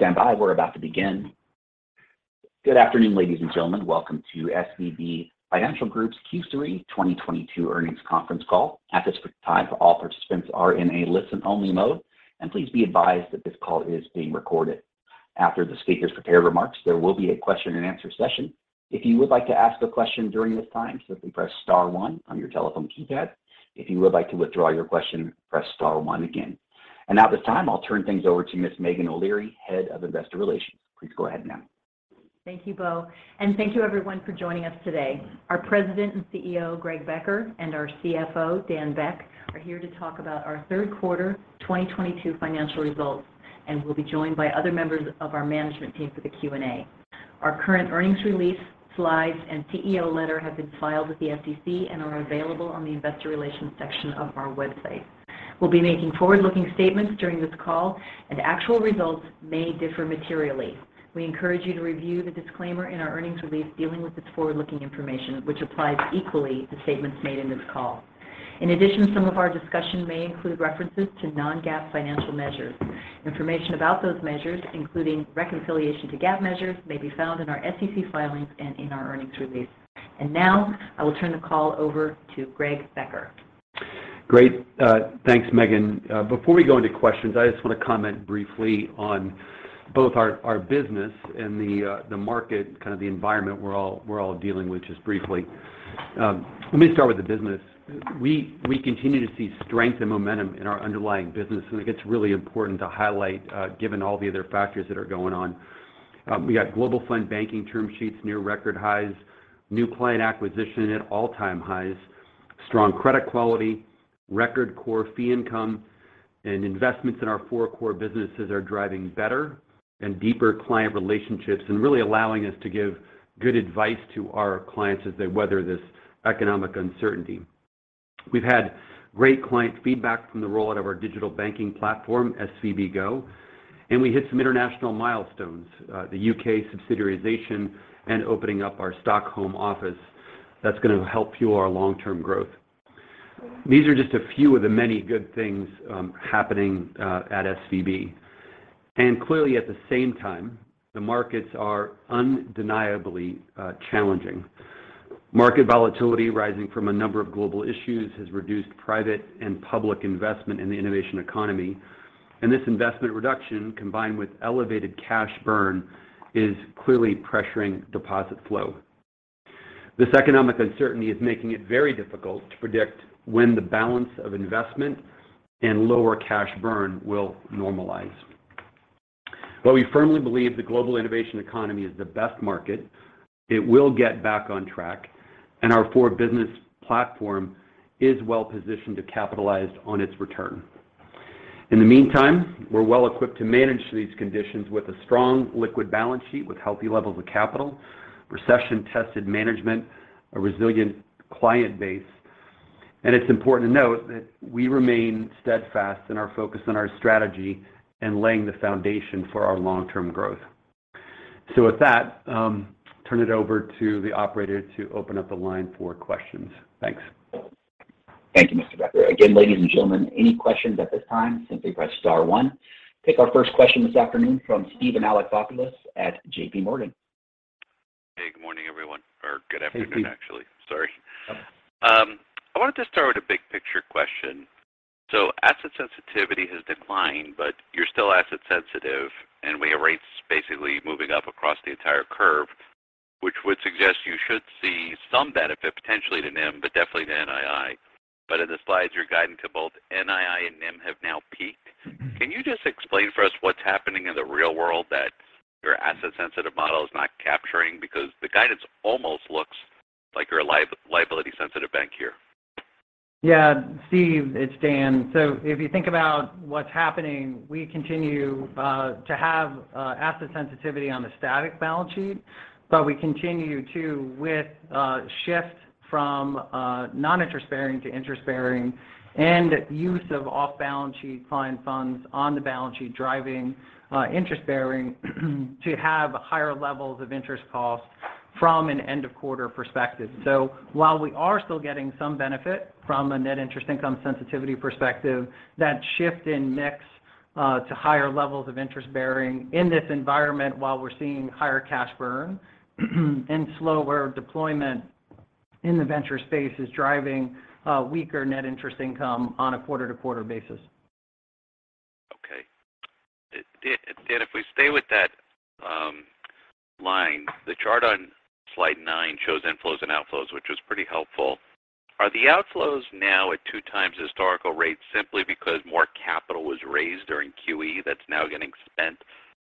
Please stand by. We're about to begin. Good afternoon, ladies and gentlemen. Welcome to SVB Financial Group's Q3 2022 earnings conference call. At this time, all participants are in a listen only mode. Please be advised that this call is being recorded. After the speakers prepared remarks, there will be a question and answer session. If you would like to ask a question during this time, simply press star one on your telephone keypad. If you would like to withdraw your question, press star one again. Now at this time, I'll turn things over to Miss Meghan O'Leary, head of investor relations. Please go ahead, ma'am. Thank you, Bo, and thank you everyone for joining us today. Our president and CEO, Greg Becker, and our CFO, Daniel Beck, are here to talk about our third quarter 2022 financial results, and we'll be joined by other members of our management team for the Q&A. Our current earnings release, slides, and CEO letter have been filed with the SEC and are available on the investor relations section of our website. We'll be making forward-looking statements during this call, and actual results may differ materially. We encourage you to review the disclaimer in our earnings release dealing with this forward-looking information which applies equally to statements made in this call. In addition, some of our discussion may include references to non-GAAP financial measures. Information about those measures, including reconciliation to GAAP measures, may be found in our SEC filings and in our earnings release. Now, I will turn the call over to Greg Becker. Great. Thanks, Meghan. Before we go into questions, I just want to comment briefly on both our business and the market, kind of the environment we're all dealing with just briefly. Let me start with the business. We continue to see strength and momentum in our underlying business, and I think it's really important to highlight, given all the other factors that are going on. We got global fund banking term sheets near record highs, new client acquisition at all-time highs, strong credit quality, record core fee income, and investments in our four core businesses are driving better and deeper client relationships, and really allowing us to give good advice to our clients as they weather this economic uncertainty. We've had great client feedback from the rollout of our digital banking platform, SVB Go, and we hit some international milestones. The UK subsidiarization and opening up our Stockholm office, that's going to help fuel our long-term growth. These are just a few of the many good things happening at SVB. Clearly at the same time, the markets are undeniably challenging. Market volatility rising from a number of global issues has reduced private and public investment in the innovation economy. This investment reduction, combined with elevated cash burn, is clearly pressuring deposit flow. This economic uncertainty is making it very difficult to predict when the balance of investment and lower cash burn will normalize. We firmly believe the global innovation economy is the best market. It will get back on track, and our core business platform is well positioned to capitalize on its return. In the meantime, we're well equipped to manage these conditions with a strong liquid balance sheet with healthy levels of capital, recession-tested management, a resilient client base. It's important to note that we remain steadfast in our focus on our strategy and laying the foundation for our long-term growth. With that, turn it over to the operator to open up the line for questions. Thanks. Thank you, Mr. Becker. Again, ladies and gentlemen, any questions at this time, simply press star one. Take our first question this afternoon from Steven Alexopoulos at JPMorgan. Hey, good morning, everyone. Or good afternoon. Hey, Steve. Actually. Sorry, I wanted to start with a big picture question. Asset sensitivity has declined, but you're still asset sensitive, and we have rates basically moving up across the entire curve, which would suggest you should see some benefit potentially to NIM, but definitely to NII. In the slides, you're guiding to both NII and NIM have now peaked. Mm-hmm. Can you just explain for us what's happening in the real world that your asset sensitive model is not capturing? Because the guidance almost looks like you're a liability sensitive bank here. Yeah. Steve, it's Dan. If you think about what's happening, we continue to have asset sensitivity on the static balance sheet, but we continue to shift from non-interest-bearing to interest-bearing and use of off-balance-sheet client funds on the balance sheet driving interest-bearing to have higher levels of interest costs from an end-of-quarter perspective. While we are still getting some benefit from a net interest income sensitivity perspective, that shift in mix to higher levels of interest-bearing in this environment while we're seeing higher cash burn and slower deployment in the venture space is driving weaker net interest income on a quarter-to-quarter basis. Okay. Dan, if we stay with that line, the chart on slide nine shows inflows and outflows, which was pretty helpful. Are the outflows now at 2x historical rates simply because more capital was raised during QE that's now getting spent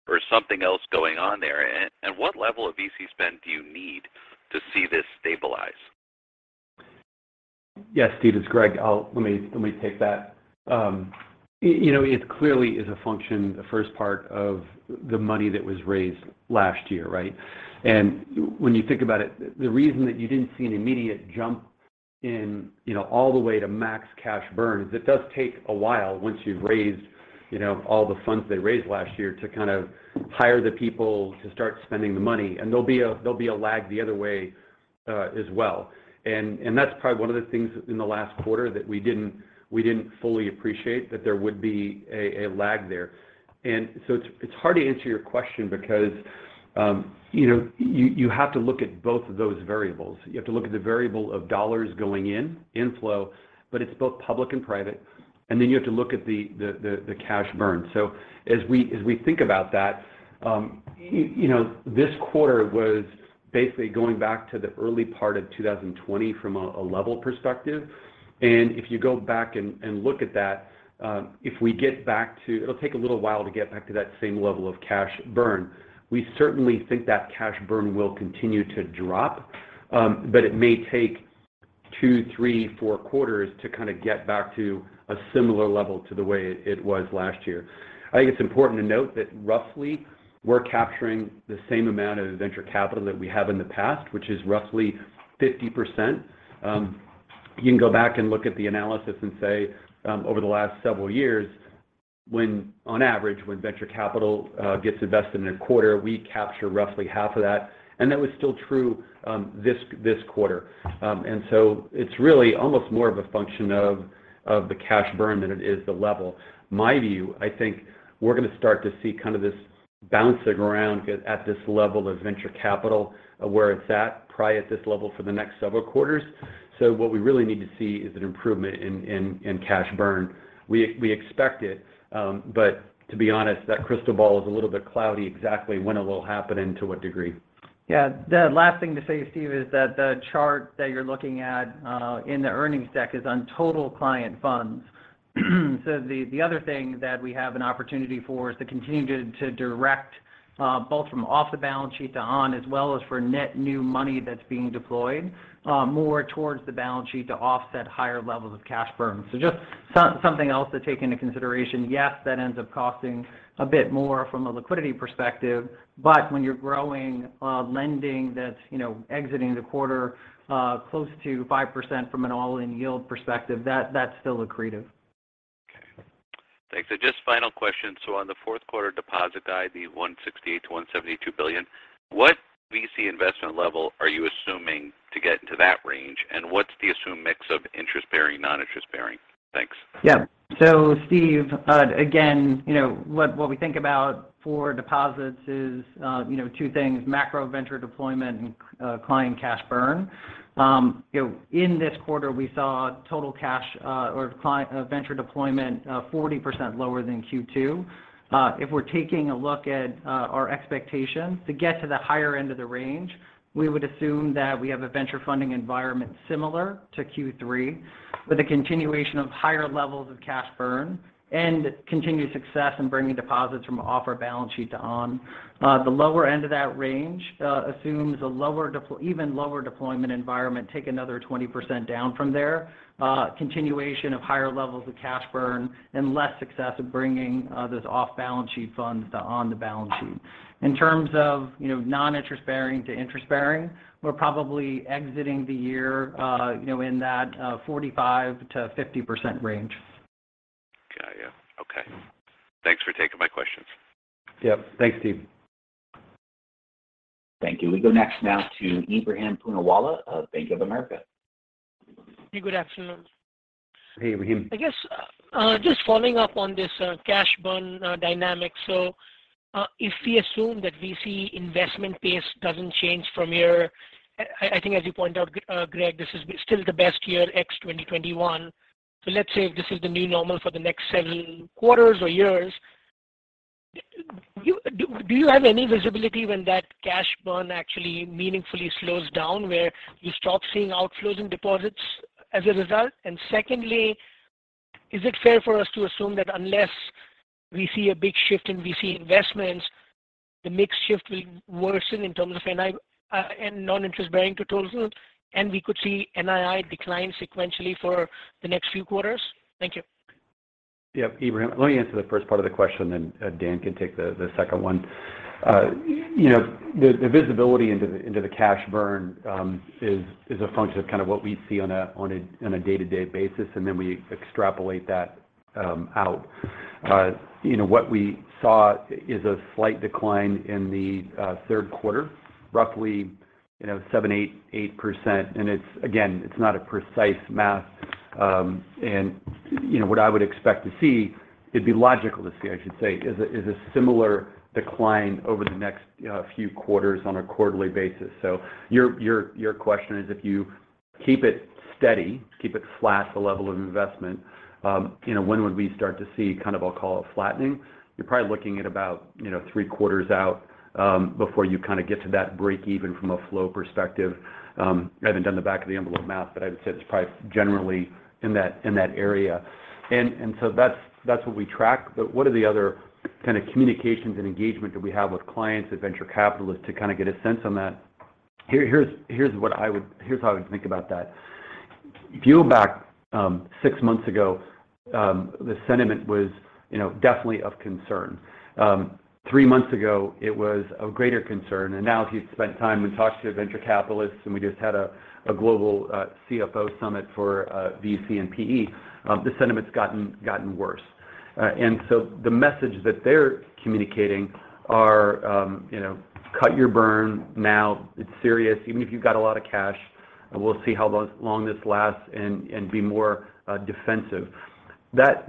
or something else going on there? What level of VC spend do you need to see this stabilize? Yes, Steve. It's Greg. Let me take that. You know, it clearly is a function, the first part of the money that was raised last year, right? When you think about it, the reason that you didn't see an immediate jump in, you know, all the way to max cash burn is it does take a while once you've raised, you know, all the funds they raised last year to kind of hire the people to start spending the money. There'll be a lag the other way when, as well. That's probably one of the things in the last quarter that we didn't fully appreciate that there would be a lag there. It's hard to answer your question because, you know, you have to look at both of those variables. You have to look at the variable of dollars going in, inflow, but it's both public and private. Then you have to look at the cash burn. As we think about that, you know, this quarter was basically going back to the early part of 2020 from a level perspective. If you go back and look at that. It'll take a little while to get back to that same level of cash burn. We certainly think that cash burn will continue to drop, but it may take two, three, four quarters to kind of get back to a similar level to the way it was last year. I think it's important to note that roughly we're capturing the same amount of venture capital that we have in the past, which is roughly 50%. You can go back and look at the analysis and say, over the last several years on average, when venture capital gets invested in a quarter, we capture roughly half of that, and that was still true, this quarter. It's really almost more of a function of the cash burn than it is the level. My view, I think we're gonna start to see kind of this bouncing around at this level of venture capital where it's at probably at this level for the next several quarters. What we really need to see is an improvement in cash burn. We expect it, but to be honest, that crystal ball is a little bit cloudy exactly when it will happen and to what degree. Yeah. The last thing to say, Steve, is that the chart that you're looking at in the earnings deck is on total client funds. The other thing that we have an opportunity for is to continue to direct both from off the balance sheet to on, as well as for net new money that's being deployed more towards the balance sheet to offset higher levels of cash burn. Just something else to take into consideration. Yes, that ends up costing a bit more from a liquidity perspective, but when you're growing lending that's you know exiting the quarter close to 5% from an all-in yield perspective, that's still accretive. Okay. Thanks. Just final question. On the fourth quarter deposit guide, the $168 billion-$172 billion, what VC investment level are you assuming to get into that range? And what's the assumed mix of interest-bearing, non-interest-bearing? Thanks. Steve, again, you know, what we think about for deposits is, you know, two things, macro venture deployment and client cash burn. In this quarter, we saw total cash or client venture deployment 40% lower than Q2. If we're taking a look at our expectations to get to the higher end of the range, we would assume that we have a venture funding environment similar to Q3 with a continuation of higher levels of cash burn and continued success in bringing deposits from off our balance sheet to on. The lower end of that range assumes an even lower deployment environment, take another 20% down from there, continuation of higher levels of cash burn and less success of bringing those off balance sheet funds to on the balance sheet. In terms of, you know, non-interest bearing to interest bearing, we're probably exiting the year, you know, in that 45%-50% range. Got you. Okay. Thanks for taking my questions. Yep. Thanks, Steve. Thank you. We go next now to Ebrahim Poonawala of Bank of America. Hey, good afternoon. Hey, Ebrahim. I guess, just following up on this, cash burn, dynamic. If we assume that VC investment pace doesn't change from I think as you pointed out, Greg, this is still the best year ex 2021. Let's say this is the new normal for the next seven quarters or years. Do you have any visibility when that cash burn actually meaningfully slows down where you stop seeing outflows in deposits as a result? And secondly, is it fair for us to assume that unless we see a big shift in VC investments, the mix shift will worsen in terms of non-interest bearing to total? And we could see NII decline sequentially for the next few quarters? Thank you. Yeah. Ebrahim, let me answer the first part of the question, then Dan can take the second one. You know, the visibility into the cash burn is a function of kind of what we see on a day-to-day basis, and then we extrapolate that out. You know, what we saw is a slight decline in the third quarter, roughly 7%-8%. It's again not a precise math. You know, what I would expect to see, it'd be logical to see, I should say, is a similar decline over the next few quarters on a quarterly basis. Your question is if you keep it steady, keep it flat, the level of investment, when would we start to see kind of, I'll call it flattening? You're probably looking at about three quarters out, before you kind of get to that break even from a flow perspective. I haven't done the back-of-the-envelope math, but I would say it's probably generally in that area. That's what we track. But what are the other kind of communications and engagement that we have with clients and venture capitalists to kind of get a sense on that? Here's how I would think about that. If you go back six months ago, the sentiment was definitely of concern. Three months ago, it was of greater concern. Now if you've spent time and talked to venture capitalists, and we just had a global CFO summit for VC and PE, the sentiment's gotten worse. The message that they're communicating are, you know, "Cut your burn now, it's serious. Even if you've got a lot of cash, we'll see how long this lasts and be more defensive." That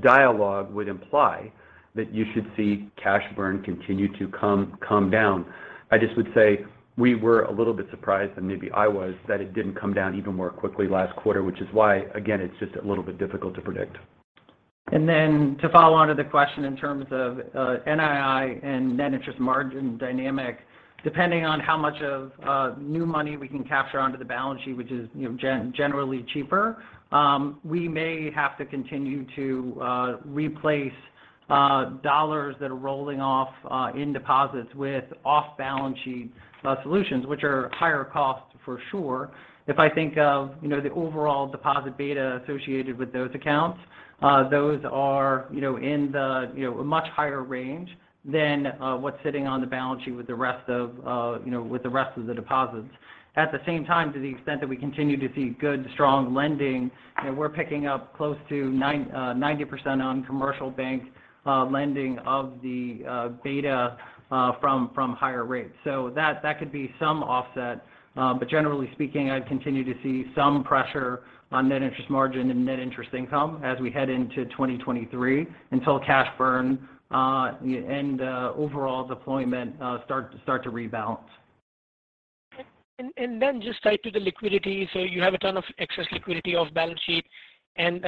dialogue would imply that you should see cash burn continue to come down. I just would say we were a little bit surprised, and maybe I was, that it didn't come down even more quickly last quarter, which is why, again, it's just a little bit difficult to predict. To follow on to the question in terms of NII and net interest margin dynamic. Depending on how much of new money we can capture onto the balance sheet which is, you know, generally cheaper, we may have to continue to replace dollars that are rolling off in deposits with off-balance sheet solutions which are higher cost for sure. If I think of, you know, the overall deposit beta associated with those accounts, those are, you know, in the, you know, a much higher range than what's sitting on the balance sheet with the rest of, you know, with the rest of the deposits. At the same time, to the extent that we continue to see good, strong lending, you know, we're picking up close to 90% on commercial bank lending of the beta from higher rates. That could be some offset. Generally speaking, I'd continue to see some pressure on net interest margin and net interest income as we head into 2023 until cash burn and overall deployment start to rebalance. Just tied to the liquidity. You have a ton of excess liquidity off balance sheet and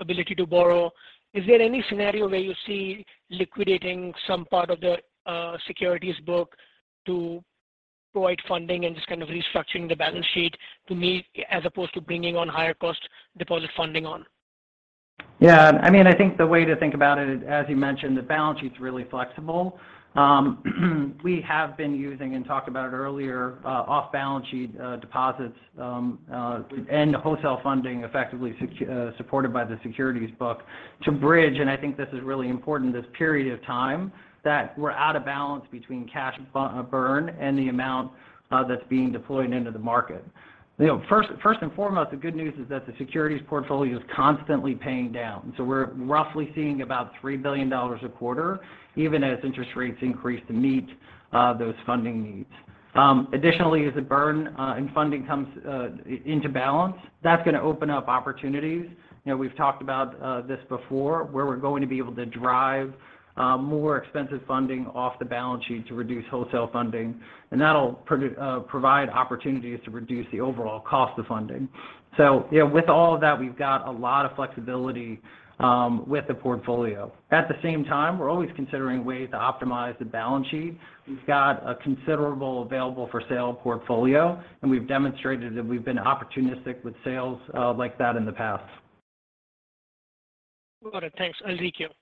ability to borrow. Is there any scenario where you see liquidating some part of the securities book to provide funding and just kind of restructuring the balance sheet to meet as opposed to bringing on higher cost deposit funding on? Yeah. I mean, I think the way to think about it is, as you mentioned, the balance sheet's really flexible. We have been using, and talked about it earlier, off-balance sheet deposits and wholesale funding effectively supported by the securities book to bridge. I think this is really important this period of time that we're out of balance between cash burn and the amount that's being deployed into the market. You know, first and foremost, the good news is that the securities portfolio is constantly paying down. So we're roughly seeing about $3 billion a quarter, even as interest rates increase to meet those funding needs. Additionally, as the burn and funding comes into balance, that's gonna open up opportunities. You know, we've talked about this before where we're going to be able to drive more expensive funding off the balance sheet to reduce wholesale funding, and that'll provide opportunities to reduce the overall cost of funding. You know, with all of that, we've got a lot of flexibility with the portfolio. At the same time, we're always considering ways to optimize the balance sheet. We've got a considerable available-for-sale portfolio, and we've demonstrated that we've been opportunistic with sales like that in the past. Got it. Thanks. I'll let you go.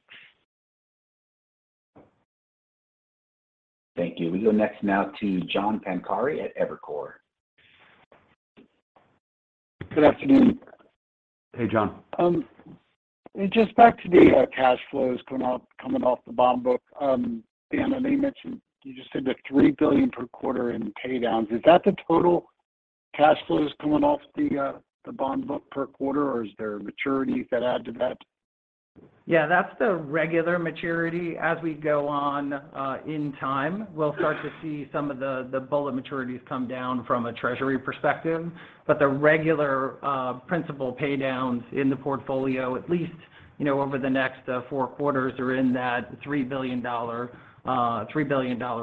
Thank you. We go next now to John Pancari at Evercore. Good afternoon. Hey, John. Just back to the cash flows coming off the bond book. Dan, I know you mentioned you just said the $3 billion per quarter in pay downs. Is that the total cash flows coming off the bond book per quarter or is there maturities that add to that? Yeah, that's the regular maturity. As we go on in time, we'll start to see some of the bullet maturities come down from a Treasury perspective. But the regular principal pay downs in the portfolio, at least you know, over the next four quarters are in that $3 billion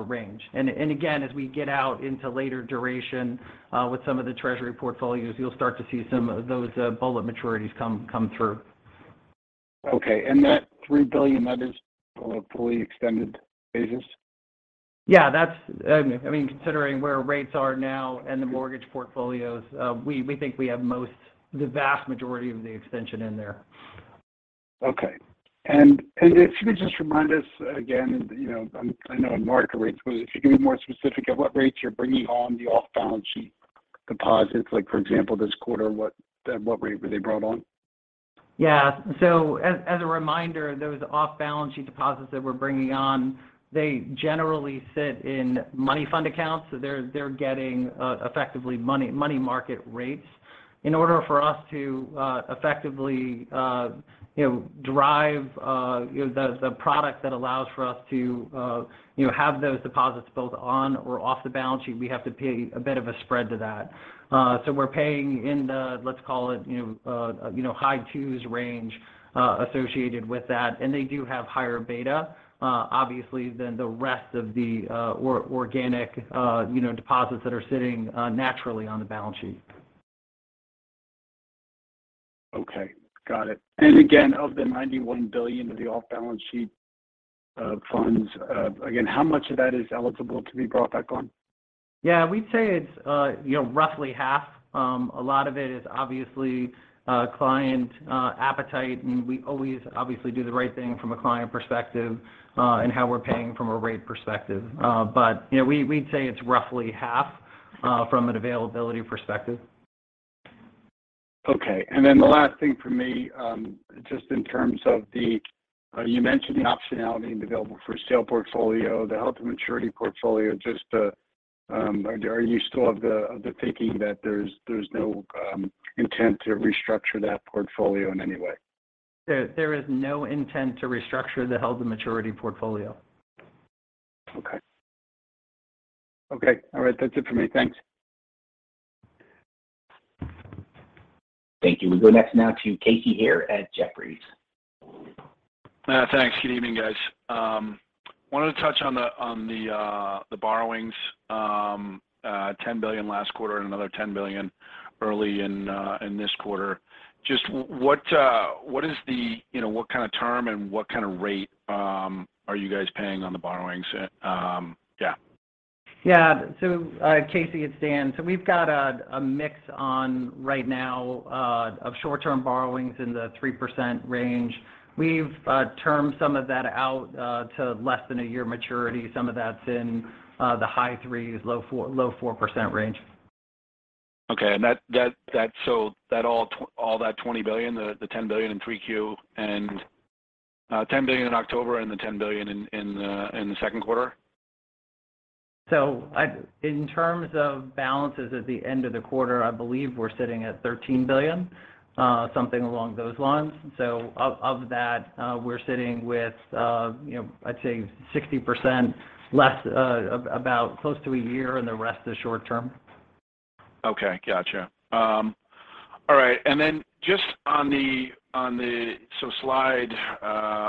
range. Again, as we get out into later duration with some of the Treasury portfolios, you'll start to see some of those bullet maturities come through. Okay. That $3 billion, that is on a fully extended basis? I mean, considering where rates are now and the mortgage portfolios, we think we have the vast majority of the extension in there. Okay. If you could just remind us again, you know, I know market rates, but if you could be more specific at what rates you're bringing on the off-balance sheet deposits. Like for example, this quarter what rate were they brought on? Yeah. As a reminder, those off-balance sheet deposits that we're bringing on, they generally sit in money fund accounts. They're getting effectively money market rates. In order for us to effectively you know drive you know the product that allows for us to you know have those deposits both on or off the balance sheet, we have to pay a bit of a spread to that. We're paying in the, let's call it, you know high twos range associated with that. They do have higher beta obviously than the rest of the organic you know deposits that are sitting naturally on the balance sheet. Okay. Got it. Again, of the $91 billion of the off-balance sheet funds, again, how much of that is eligible to be brought back on? Yeah. We'd say it's you know roughly half. A lot of it is obviously client appetite and we always obviously do the right thing from a client perspective and how we're paying from a rate perspective. You know we we'd say it's roughly half from an availability perspective. Okay. The last thing for me, just in terms of you mentioned the optionality and available-for-sale portfolio, the held-to-maturity portfolio. Just Are you still of the thinking that there's no intent to restructure that portfolio in any way? There is no intent to restructure the held-to-maturity portfolio. Okay. All right. That's it for me. Thanks. Thank you. We go next now to Casey Haire at Jefferies. Thanks. Good evening, guys. Wanted to touch on the borrowings, $10 billion last quarter and another $10 billion early in this quarter. Just what is the, you know, what kind of term and what kind of rate are you guys paying on the borrowings at. Yeah. Casey, it's Dan. We've got a mix going on right now of short-term borrowings in the 3% range. We've termed some of that out to less than a year maturity. Some of that's in the high 3s, low 4% range. Okay. That all that $20 billion, the $10 billion in 3Q and $10 billion in October and the $10 billion in the second quarter? In terms of balances at the end of the quarter, I believe we're sitting at $13 billion, something along those lines. Of that, we're sitting with, you know, I'd say 60% less, about close to a year, and the rest is short term. Okay. Gotcha. All right. Then just on the. Slide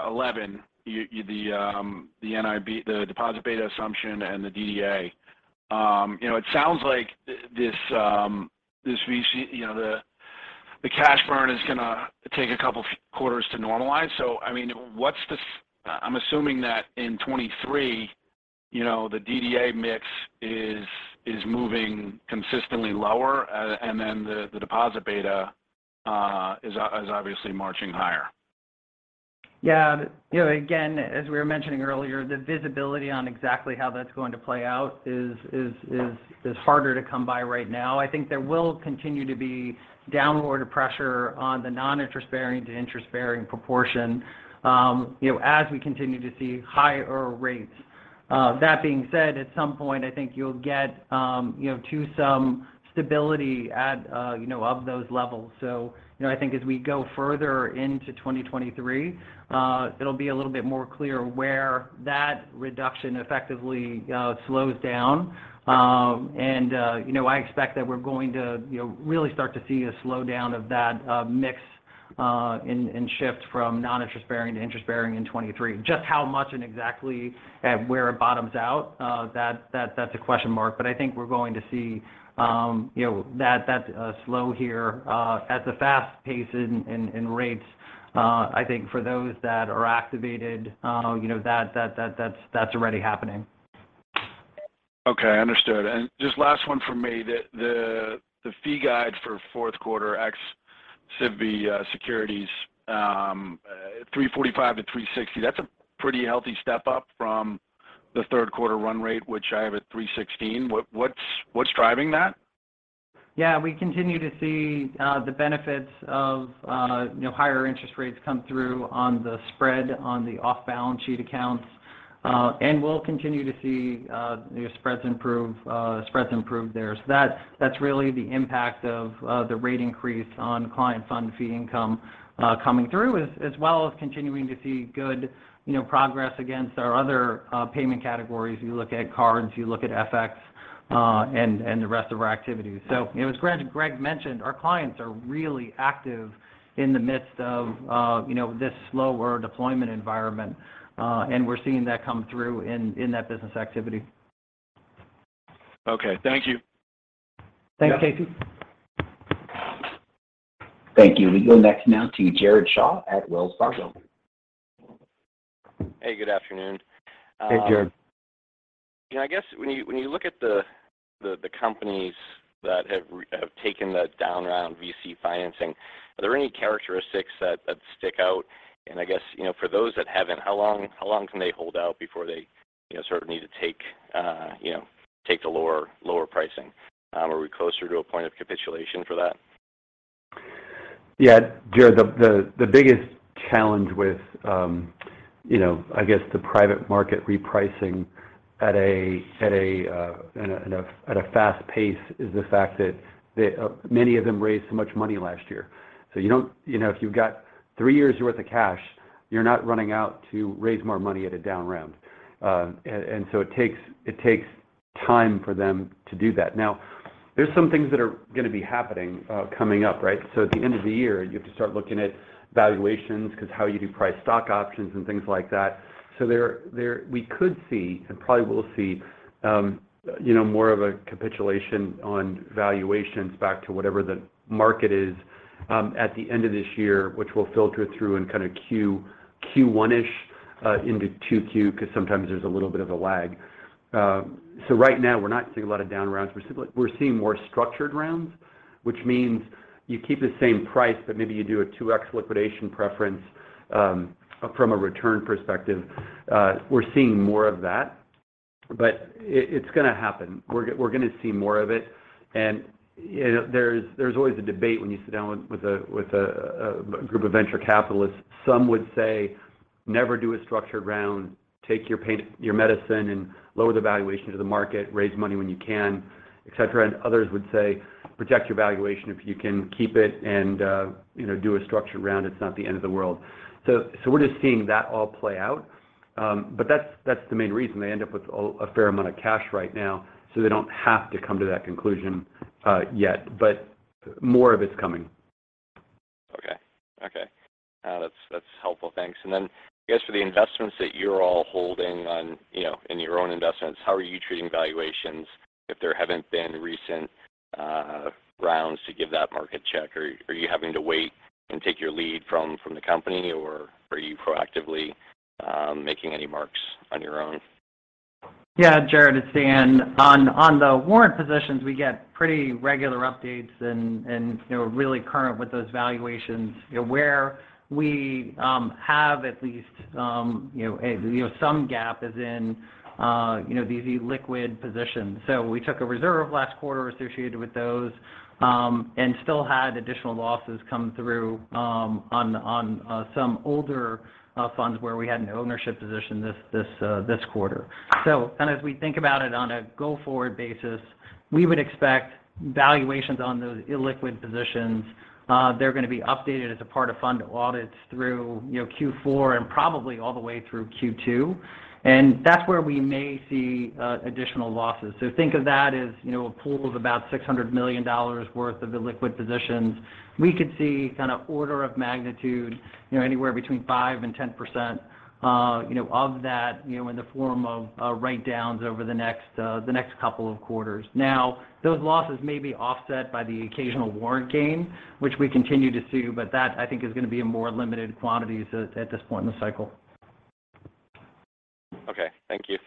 11, you the NIB, the deposit beta assumption and the DDA, you know, it sounds like this VC, you know, the cash burn is gonna take a couple of quarters to normalize. I mean, what's the. I'm assuming that in 2023, you know, the DDA mix is moving consistently lower, and then the deposit beta is obviously marching higher. Yeah. You know, again, as we were mentioning earlier, the visibility on exactly how that's going to play out is harder to come by right now. I think there will continue to be downward pressure on the non-interest-bearing to interest-bearing proportion, you know, as we continue to see higher rates. That being said, at some point I think you'll get to some stability at those levels. You know, I think as we go further into 2023, it'll be a little bit more clear where that reduction effectively slows down. I expect that we're going to, you know, really start to see a slowdown of that mix, and shift from non-interest-bearing to interest-bearing in 2023. Just how much and exactly at where it bottoms out, that's a question mark. I think we're going to see, you know, that slow here at the fast pace in rates, I think for those that are activated, you know, that's already happening. Okay. Understood. Just last one from me. The fee guide for fourth quarter ex SVB Securities, $345-$360, that's a pretty healthy step-up from the third quarter run rate, which I have at $316. What's driving that? Yeah. We continue to see the benefits of you know higher interest rates come through on the spread on the off-balance sheet accounts. And we'll continue to see you know spreads improve there. That that's really the impact of the rate increase on client fund fee income coming through as well as continuing to see good you know progress against our other payment categories. You look at cards, you look at FX and the rest of our activities. As Grant and Greg mentioned, our clients are really active in the midst of you know this slower deployment environment. And we're seeing that come through in that business activity. Okay. Thank you. Thanks, Casey. Thank you. We go next now to Jared Shaw at Wells Fargo. Hey, good afternoon. Hey, Jared. You know, I guess when you look at the companies that have taken the down round VC financing, are there any characteristics that stick out? I guess, you know, for those that haven't, how long can they hold out before they, you know, sort of need to take the lower pricing? Are we closer to a point of capitulation for that? Yeah. Jared, the biggest challenge with you know, I guess the private market repricing at a fast pace is the fact that that many of them raised so much money last year. You don't, you know, if you've got three years' worth of cash, you're not running out to raise more money at a down round. It takes time for them to do that. Now, there's some things that are gonna be happening coming up, right? At the end of the year, you have to start looking at valuations 'cause how you do price stock options and things like that. We could see, and probably will see, you know, more of a capitulation on valuations back to whatever the market is at the end of this year, which we'll filter through in kind of Q1-ish into 2Q, 'cause sometimes there's a little bit of a lag. Right now we're not seeing a lot of down rounds. We're simply seeing more structured rounds, which means you keep the same price, but maybe you do a 2x liquidation preference from a return perspective. We're seeing more of that, but it's gonna happen. We're gonna see more of it. You know, there's always a debate when you sit down with a group of venture capitalists. Some would say. Never do a structured round, take your pain, your medicine and lower the valuation to the market, raise money when you can, et cetera. Others would say, "Protect your valuation if you can keep it and, do a structured round. It's not the end of the world." We're just seeing that all play out. That's the main reason they end up with a fair amount of cash right now, so they don't have to come to that conclusion, yet. More of it's coming. Okay. That's helpful. Thanks. I guess for the investments that you're all holding on, you know, in your own investments, how are you treating valuations if there haven't been recent rounds to give that market check? Are you having to wait and take your lead from the company or are you proactively making any marks on your own? Yeah, Jared, it's Dan. On the warrant positions, we get pretty regular updates and you know really current with those valuations. You know where we have at least you know some gap as in you know these illiquid positions. We took a reserve last quarter associated with those and still had additional losses come through on some older funds where we had an ownership position this quarter. As we think about it on a go-forward basis, we would expect valuations on those illiquid positions. They're gonna be updated as a part of fund audits through Q4 and probably all the way through Q2. That's where we may see additional losses. Think of that as, you know, a pool of about $600 million worth of illiquid positions. We could see kind of order of magnitude, you know, anywhere between 5%-10%, you know, of that, you know, in the form of write-downs over the next couple of quarters. Now, those losses may be offset by the occasional warrant gain, which we continue to see, but that I think is gonna be a more limited quantity so at this point in the cycle. Okay. Thank you.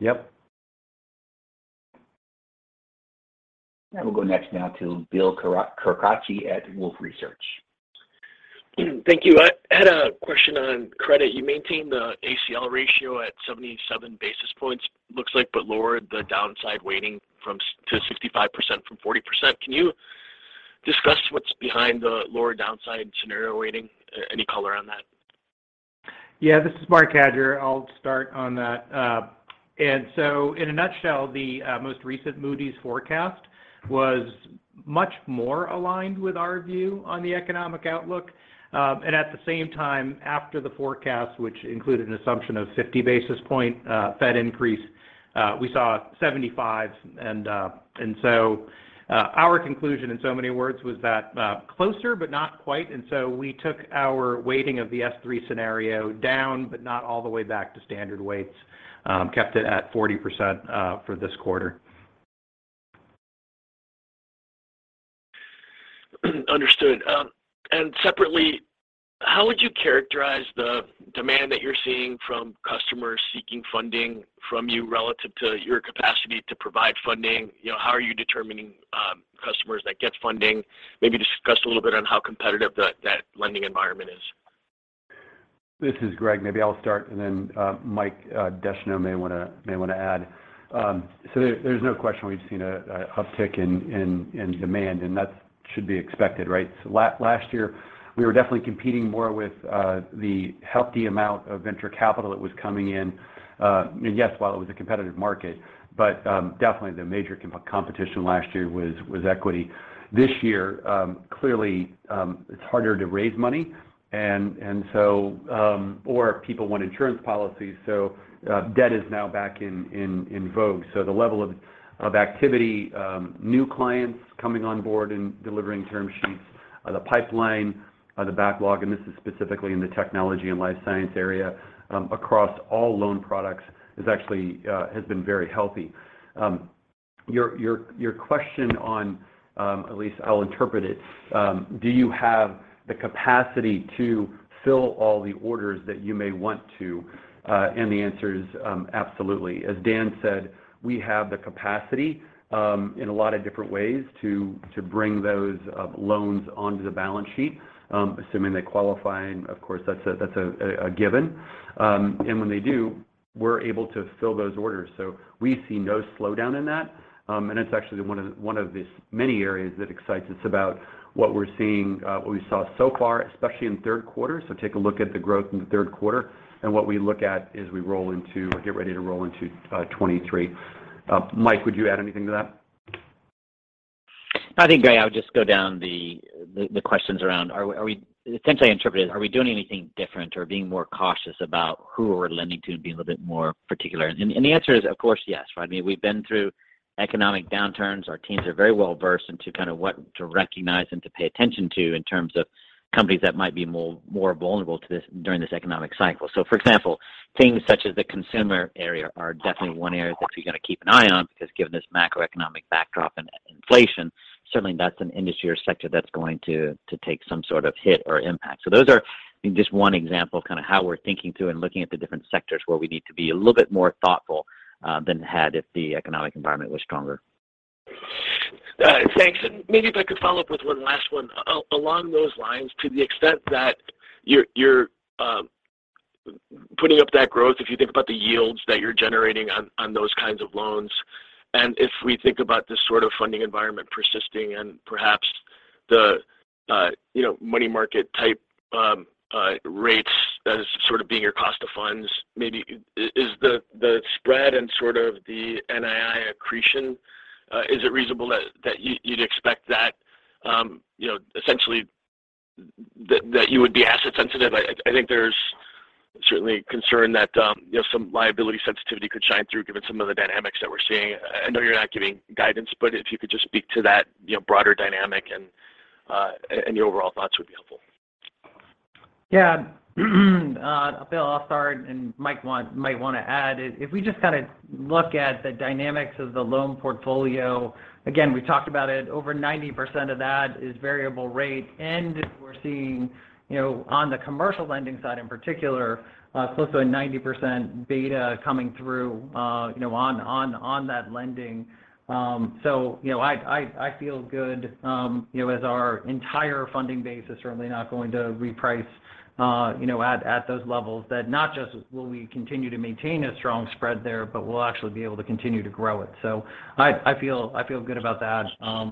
Yep. We'll go next now to Bill Carcache at Wolfe Research. Thank you. I had a question on credit. You maintained the ACL ratio at 77 basis points, looks like, but lowered the downside weighting from 75 to 65% from 40%. Can you discuss what's behind the lower downside scenario weighting? Any color on that? Yeah. This is Marc Cadieux. I'll start on that. In a nutshell, the most recent Moody's forecast was much more aligned with our view on the economic outlook. At the same time, after the forecast, which included an assumption of 50 basis point Fed increase, we saw 75. Our conclusion in so many words was that closer, but not quite. We took our weighting of the S3 scenario down, but not all the way back to standard weights. Kept it at 40%, for this quarter. Understood. Separately, how would you characterize the demand that you're seeing from customers seeking funding from you relative to your capacity to provide funding? You know, how are you determining, customers that get funding? Maybe discuss a little bit on how competitive that lending environment is. This is Greg. Maybe I'll start and then Mike Descheneaux may wanna add. So there's no question we've seen an uptick in demand, and that should be expected, right? Last year we were definitely competing more with the healthy amount of venture capital that was coming in. Yes, while it was a competitive market, but definitely the major competition last year was equity. This year, clearly, it's harder to raise money and so or people want insurance policies, so debt is now back in vogue. The level of activity, new clients coming on board and delivering term sheets, the pipeline, the backlog, and this is specifically in the technology and life science area, across all loan products actually has been very healthy. Your question on, at least I'll interpret it, do you have the capacity to fill all the orders that you may want to? The answer is absolutely. As Dan said, we have the capacity in a lot of different ways to bring those loans onto the balance sheet, assuming they qualify. Of course, that's a given. When they do, we're able to fill those orders. We see no slowdown in that. It's actually one of the many areas that excites us about what we're seeing, what we saw so far, especially in third quarter. Take a look at the growth in the third quarter and what we look at as we roll into or get ready to roll into 2023. Mike, would you add anything to that? I think, Greg, I would just go down the questions around are we doing anything different or being more cautious about who we're lending to and being a little bit more particular? The answer is of course, yes, right? I mean, we've been through economic downturns. Our teams are very well versed into kind of what to recognize and to pay attention to in terms of companies that might be more vulnerable to this during this economic cycle. For example, things such as the consumer area are definitely one area that we gotta keep an eye on because given this macroeconomic backdrop and inflation, certainly that's an industry or sector that's going to take some sort of hit or impact. Those are, I mean, just one example of kind of how we're thinking through and looking at the different sectors where we need to be a little bit more thoughtful than we had if the economic environment was stronger. Thanks. Maybe if I could follow up with one last one. Along those lines, to the extent that you're putting up that growth, if you think about the yields that you're generating on those kinds of loans, and if we think about this sort of funding environment persisting and perhaps the money market type rates as sort of being your cost of funds maybe. Is the spread and sort of the NII accretion reasonable that you'd expect that essentially that you would be asset sensitive? I think there's certainly concern that you know, some liability sensitivity could shine through given some of the dynamics that we're seeing. I know you're not giving guidance, but if you could just speak to that, you know, broader dynamic and your overall thoughts would be helpful. Yeah. Bill, I'll start, and Mike might want to add. If we just kind of look at the dynamics of the loan portfolio, again, we talked about it, over 90% of that is variable rate, and we're seeing, you know, on the commercial lending side in particular, close to a 90% beta coming through, you know, on that lending. So, you know, I feel good, you know, as our entire funding base is certainly not going to reprice, you know, at those levels that not just will we continue to maintain a strong spread there, but we'll actually be able to continue to grow it. So I feel good about that,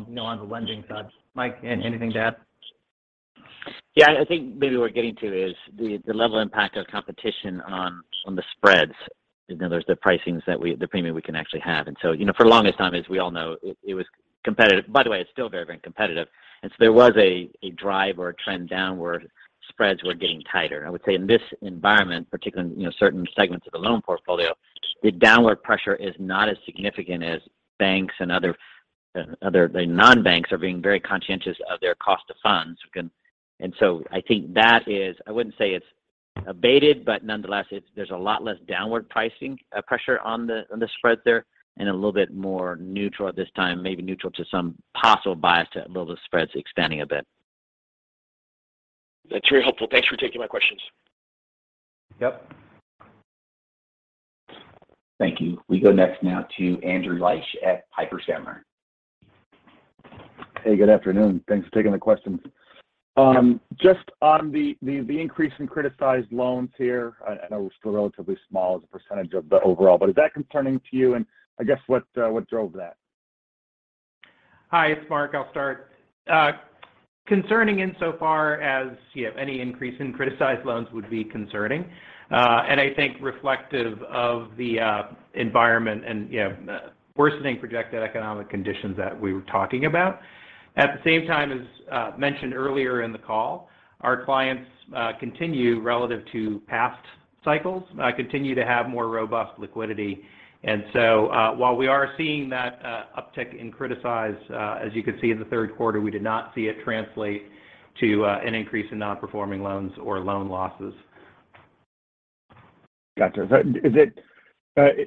you know, on the lending side. Mike, anything to add? Yeah. I think maybe what we're getting to is the level impact of competition on the spreads. You know, there's the pricings the premium we can actually have. You know, for the longest time, as we all know, it was competitive. By the way, it's still very, very competitive. There was a drive or a trend downward, spreads were getting tighter. I would say in this environment, particularly, you know, certain segments of the loan portfolio, the downward pressure is not as significant as banks and other non-banks are being very conscientious of their cost of funds. I think that is. I wouldn't say it's abated, but nonetheless, it's, there's a lot less downward pricing pressure on the spread there and a little bit more neutral at this time, maybe neutral to some possible bias to a little of the spreads expanding a bit. That's very helpful. Thanks for taking my questions. Yep. Thank you. We go next now to Andrew Liesch at Piper Sandler. Hey, good afternoon. Thanks for taking the questions. Yep. Just on the increase in criticized loans here. I know it's still relatively small as a percentage of the overall, but is that concerning to you? I guess what drove that? Hi, it's Marc. I'll start. Concerning insofar as, you know, any increase in criticized loans would be concerning, and I think reflective of the environment and, you know, worsening projected economic conditions that we were talking about. At the same time, as mentioned earlier in the call, our clients continue relative to past cycles continue to have more robust liquidity. While we are seeing that uptick in criticized, as you can see in the third quarter, we did not see it translate to an increase in non-performing loans or loan losses. Gotcha. Is it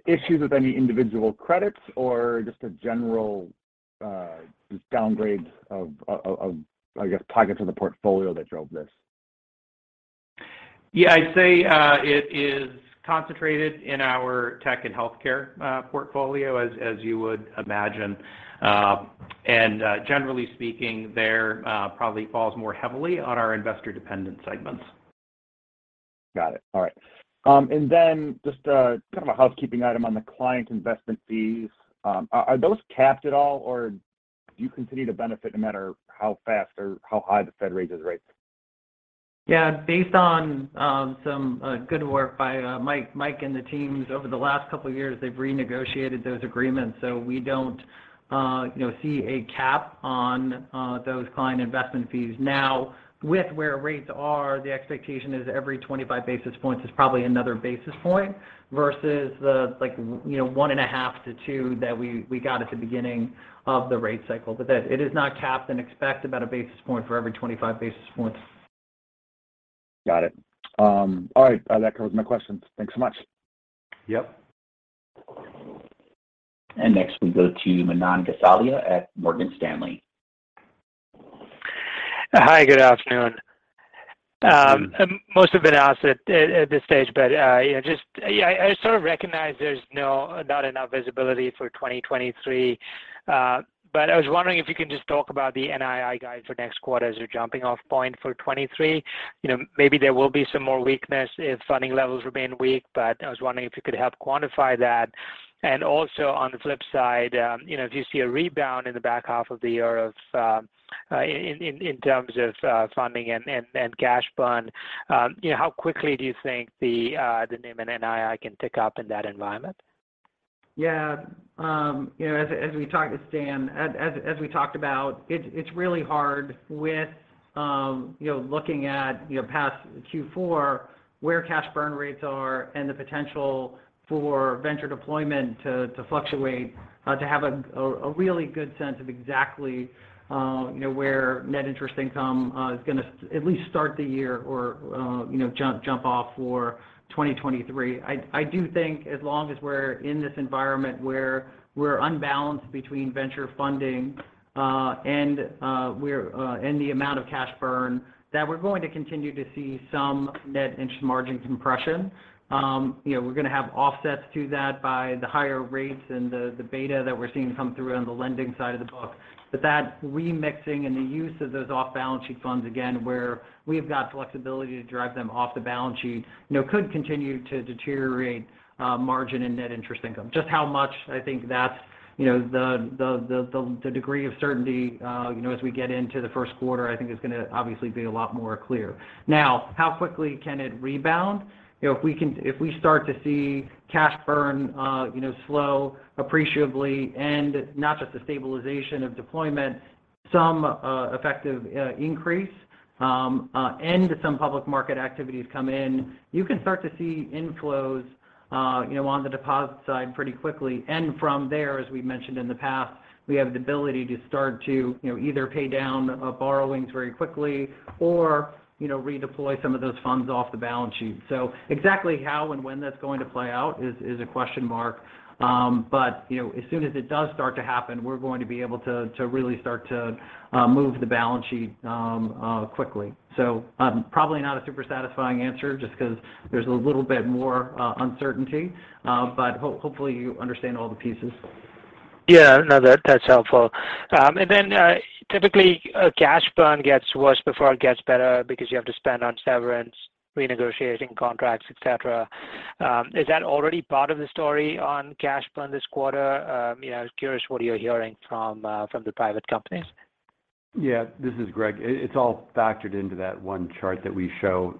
issues with any individual credits or just a general downgrade of, I guess, targets of the portfolio that drove this? Yeah. I'd say, it is concentrated in our tech and healthcare portfolio as you would imagine. Generally speaking, there probably falls more heavily on our investor-dependent segments. Got it. All right. Just a kind of a housekeeping item on the client investment fees. Are those capped at all, or do you continue to benefit no matter how fast or how high the Fed raises rates? Yeah. Based on some good work by Mike and the teams over the last couple of years, they've renegotiated those agreements. We don't you know see a cap on those client investment fees. Now, with where rates are, the expectation is every 25 basis points is probably another basis point versus the like, you know, 1.5-2 that we got at the beginning of the rate cycle. That it is not capped and expect about a basis point for every 25 basis points. Got it. All right. That covers my questions. Thanks so much. Yep. Next we go to Manan Gosalia at Morgan Stanley. Hi, good afternoon. Good afternoon. Most have been asked at this stage, but yeah, just yeah, I sort of recognize there's not enough visibility for 2023. I was wondering if you can just talk about the NII guide for next quarter as your jumping off point for 2023. You know, maybe there will be some more weakness if funding levels remain weak, but I was wondering if you could help quantify that. Also on the flip side, you know, if you see a rebound in the back half of the year in terms of funding and cash burn, you know, how quickly do you think the NIM and NII can pick up in that environment? Yeah. You know, as we talked about, it's really hard with looking at past Q4, where cash burn rates are and the potential for venture deployment to fluctuate, to have a really good sense of exactly where net interest income is gonna at least start the year or jump off for 2023. I do think as long as we're in this environment where we're unbalanced between venture funding and the amount of cash burn, that we're going to continue to see some net interest margin compression. You know, we're gonna have offsets to that by the higher rates and the beta that we're seeing come through on the lending side of the book. That remixing and the use of those off-balance sheet funds, again, where we've got flexibility to drive them off the balance sheet, you know, could continue to deteriorate margin and net interest income. Just how much, I think. You know, the degree of certainty, you know, as we get into the first quarter, I think it's gonna obviously be a lot more clear. Now, how quickly can it rebound? You know, if we start to see cash burn, you know, slow appreciably and not just a stabilization of deployment, some effective increase and some public market activities come in, you can start to see inflows, you know, on the deposit side pretty quickly. From there, as we mentioned in the past, we have the ability to start to, you know, either pay down borrowings very quickly or, you know, redeploy some of those funds off the balance sheet. Exactly how and when that's going to play out is a question mark. You know, as soon as it does start to happen, we're going to be able to really start to move the balance sheet quickly. Probably not a super satisfying answer just 'cause there's a little bit more uncertainty. Hopefully you understand all the pieces. Yeah. No, that's helpful. Typically, cash burn gets worse before it gets better because you have to spend on severance, renegotiating contracts, et cetera. Is that already part of the story on cash burn this quarter? You know, I was curious what you're hearing from the private companies. Yeah. This is Greg. It's all factored into that one chart that we show.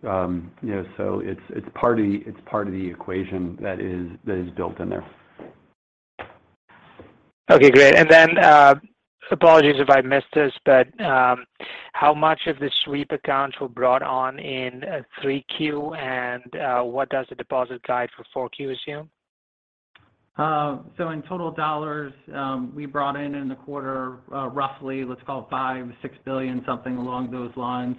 You know, it's part of the equation that is built in there. Okay, great. Apologies if I missed this, but how much of the sweep accounts were brought on in 3Q? What does the deposit guide for 4Q assume? In total dollars, we brought in the quarter, roughly $5-$6 billion, something along those lines.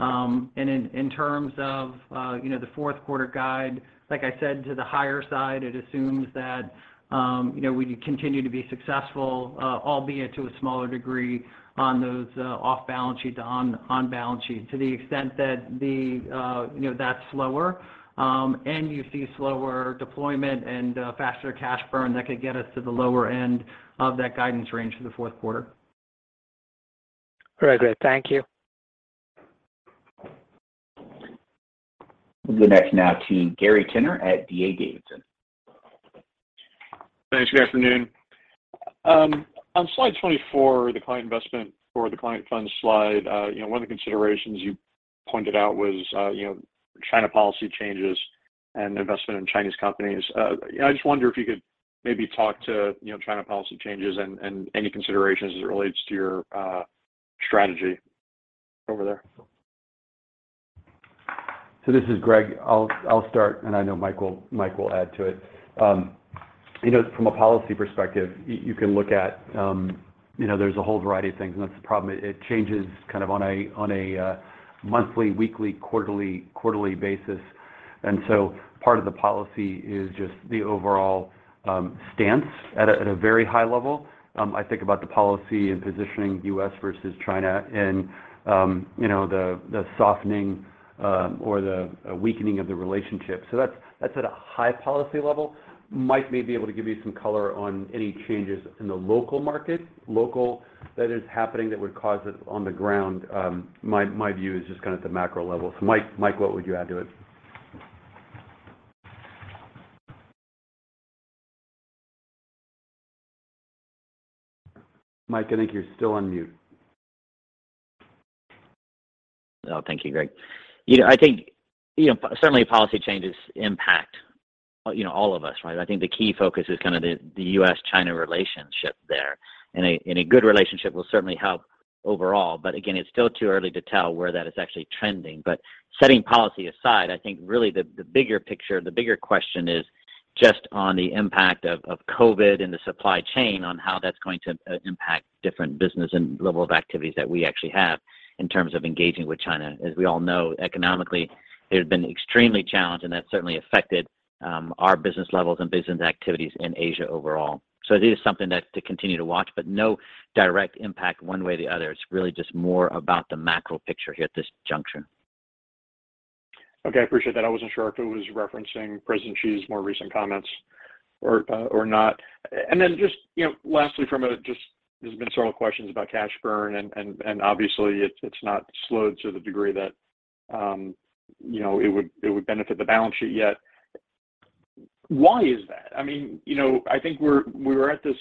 In terms of, you know, the fourth quarter guidance, like I said, to the higher side, it assumes that, you know, we continue to be successful, albeit to a smaller degree on those, off-balance-sheet to on-balance-sheet. To the extent that the, you know, that's slower, and you see slower deployment and faster cash burn, that could get us to the lower end of that guidance range for the fourth quarter. Very great. Thank you. We'll go next now to Gary Tenner at D.A. Davidson. Thanks. Good afternoon. On slide 24, the client investment for the client funds slide, you know, one of the considerations you pointed out was, you know, China policy changes and investment in Chinese companies. I just wonder if you could maybe talk to, you know, China policy changes and any considerations as it relates to your strategy over there. This is Greg. I'll start, and I know Mike will add to it. You know, from a policy perspective, you can look at, you know, there's a whole variety of things, and that's the problem. It changes kind of on a monthly, weekly, quarterly basis. Part of the policy is just the overall stance at a very high level. I think about the policy and positioning U.S. versus China and, you know, the softening or the weakening of the relationship. That's at a high policy level. Mike may be able to give you some color on any changes in the local market, local that is happening that would cause it on the ground. My view is just kind of at the macro level. Mike, what would you add to it? Mike, I think you're still on mute. Thank you, Greg. You know, I think, you know, certainly policy changes impact, you know, all of us, right? I think the key focus is kind of the U.S.-China relationship there. A good relationship will certainly help overall. Again, it's still too early to tell where that is actually trending. Setting policy aside, I think really the bigger picture, the bigger question is just on the impact of COVID and the supply chain on how that's going to impact different business and level of activities that we actually have in terms of engaging with China. As we all know, economically, it has been extremely challenged, and that's certainly affected our business levels and business activities in Asia overall. It is something that to continue to watch, but no direct impact one way or the other. It's really just more about the macro picture here at this junction. Okay. I appreciate that. I wasn't sure if it was referencing Xi Jinping's more recent comments or not. Just, you know, lastly, there's been several questions about cash burn and obviously it's not slowed to the degree that you know it would benefit the balance sheet yet. Why is that? I mean, you know, I think we were at this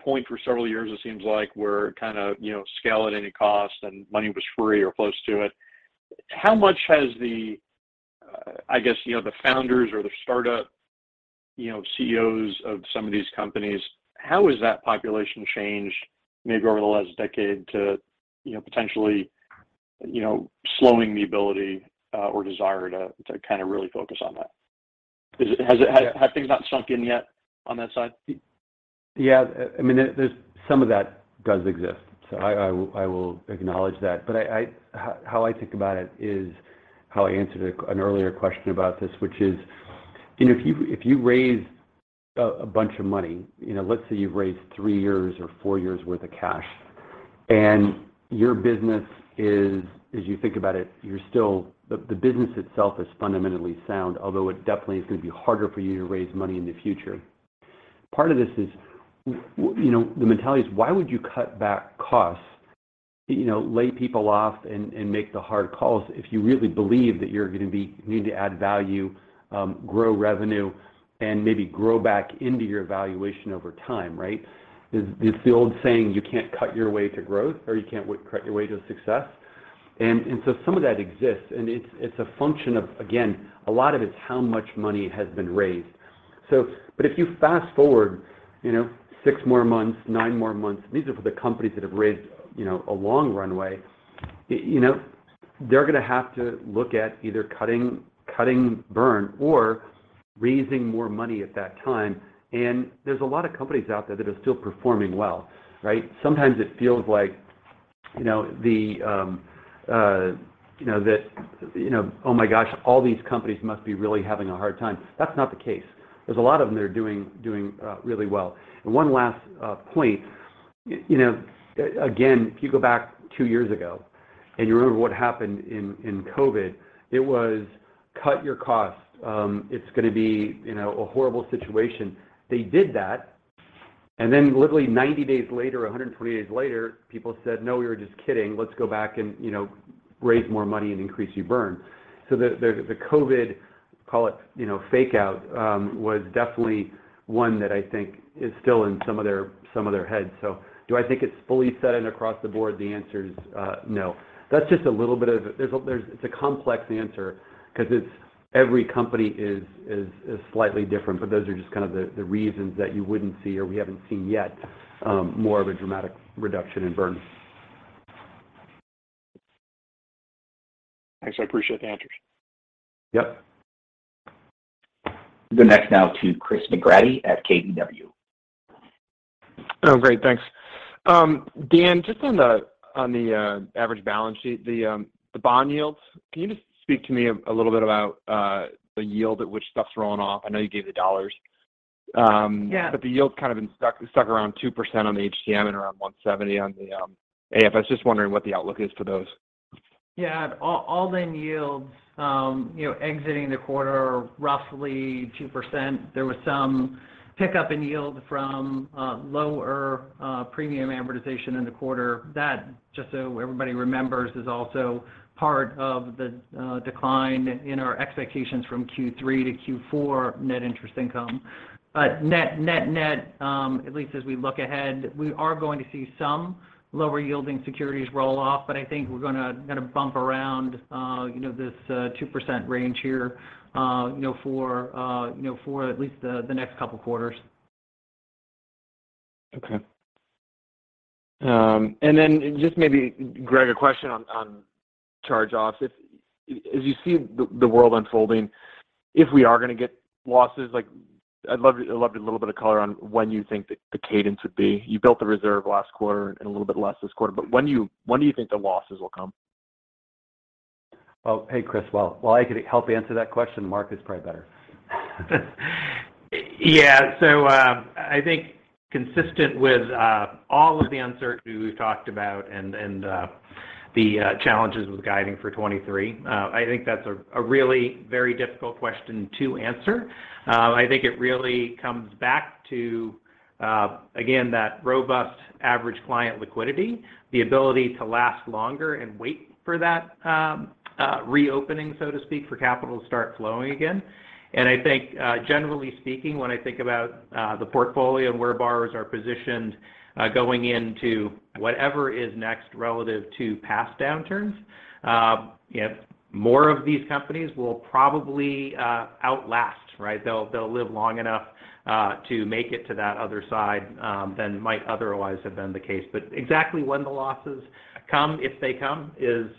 point for several years. It seems like we're kind of you know scale at any cost and money was free or close to it. How much has the I guess you know the founders or the startup you know CEOs of some of these companies how has that population changed maybe over the last decade to you know potentially you know slowing the ability or desire to kind of really focus on that? Have things not sunk in yet on that side? Yeah. I mean, there's some of that does exist, so I will acknowledge that. How I think about it is how I answered an earlier question about this which is, you know, if you raise a bunch of money, you know, let's say you've raised three years or four years worth of cash, and your business is, as you think about it, you're still the business itself is fundamentally sound, although it definitely is gonna be harder for you to raise money in the future. Part of this is, you know, the mentality is why would you cut back costs. You know, lay people off and make the hard calls if you really believe that you're gonna need to add value, grow revenue, and maybe grow back into your valuation over time, right? There's the old saying, you can't cut your way to growth or you can't cut your way to success. Some of that exists, and it's a function of, again, a lot of it's how much money has been raised. But if you fast-forward, you know, six more months, nine more months, these are for the companies that have raised, you know, a long runway. You know, they're gonna have to look at either cutting burn or raising more money at that time. There's a lot of companies out there that are still performing well, right? Sometimes it feels like, you know, that, you know, oh my gosh, all these companies must be really having a hard time. That's not the case. There's a lot of them that are doing really well. One last point. You know, again, if you go back two years ago and you remember what happened in COVID, it was cut your costs. It's gonna be, you know, a horrible situation. They did that, and then literally 90 days later, 120 days later, people said, "No, we were just kidding. Let's go back and, you know, raise more money and increase your burn." So the COVID, call it, you know, fake out, was definitely one that I think is still in some of their heads. So do I think it's fully set in across the board? The answer is no. That's just a little bit of. It's a complex answer 'cause it's every company is slightly different, but those are just kind of the reasons that you wouldn't see or we haven't seen yet, more of a dramatic reduction in burn. Thanks. I appreciate the answers. Yep. We'll go next now to Chris McGratty at KBW. Oh, great. Thanks. Dan, just on the average balance sheet, the bond yields, can you just speak to me a little bit about the yield at which stuff's rolling off? I know you gave the dollars. Yeah. The yield's kind of been stuck around 2% on the HTM and around 1.70% on the AFS. Just wondering what the outlook is for those. Yeah. All-in yields exiting the quarter are roughly 2%. There was some pickup in yield from lower premium amortization in the quarter. That, just so everybody remembers, is also part of the decline in our expectations from Q3 to Q4 net interest income. But net, at least as we look ahead, we are going to see some lower yielding securities roll off, but I think we're gonna bump around, you know, this 2% range here, you know, for at least the next couple quarters. Okay. And then just maybe, Greg, a question on charge-offs. If as you see the world unfolding, if we are gonna get losses, like I'd love a little bit of color on when you think the cadence would be. You built the reserve last quarter and a little bit less this quarter, but when do you think the losses will come? Well, hey, Chris. While I could help answer that question, Marc is probably better. Yeah. I think consistent with all of the uncertainty we've talked about and the challenges with guiding for 2023, I think that's a really very difficult question to answer. I think it really comes back to again that robust average client liquidity, the ability to last longer and wait for that reopening, so to speak, for capital to start flowing again. I think generally speaking, when I think about the portfolio and where borrowers are positioned going into whatever is next relative to past downturns, you know, more of these companies will probably outlast, right? They'll live long enough to make it to that other side than might otherwise have been the case. Exactly when the losses come, if they come, is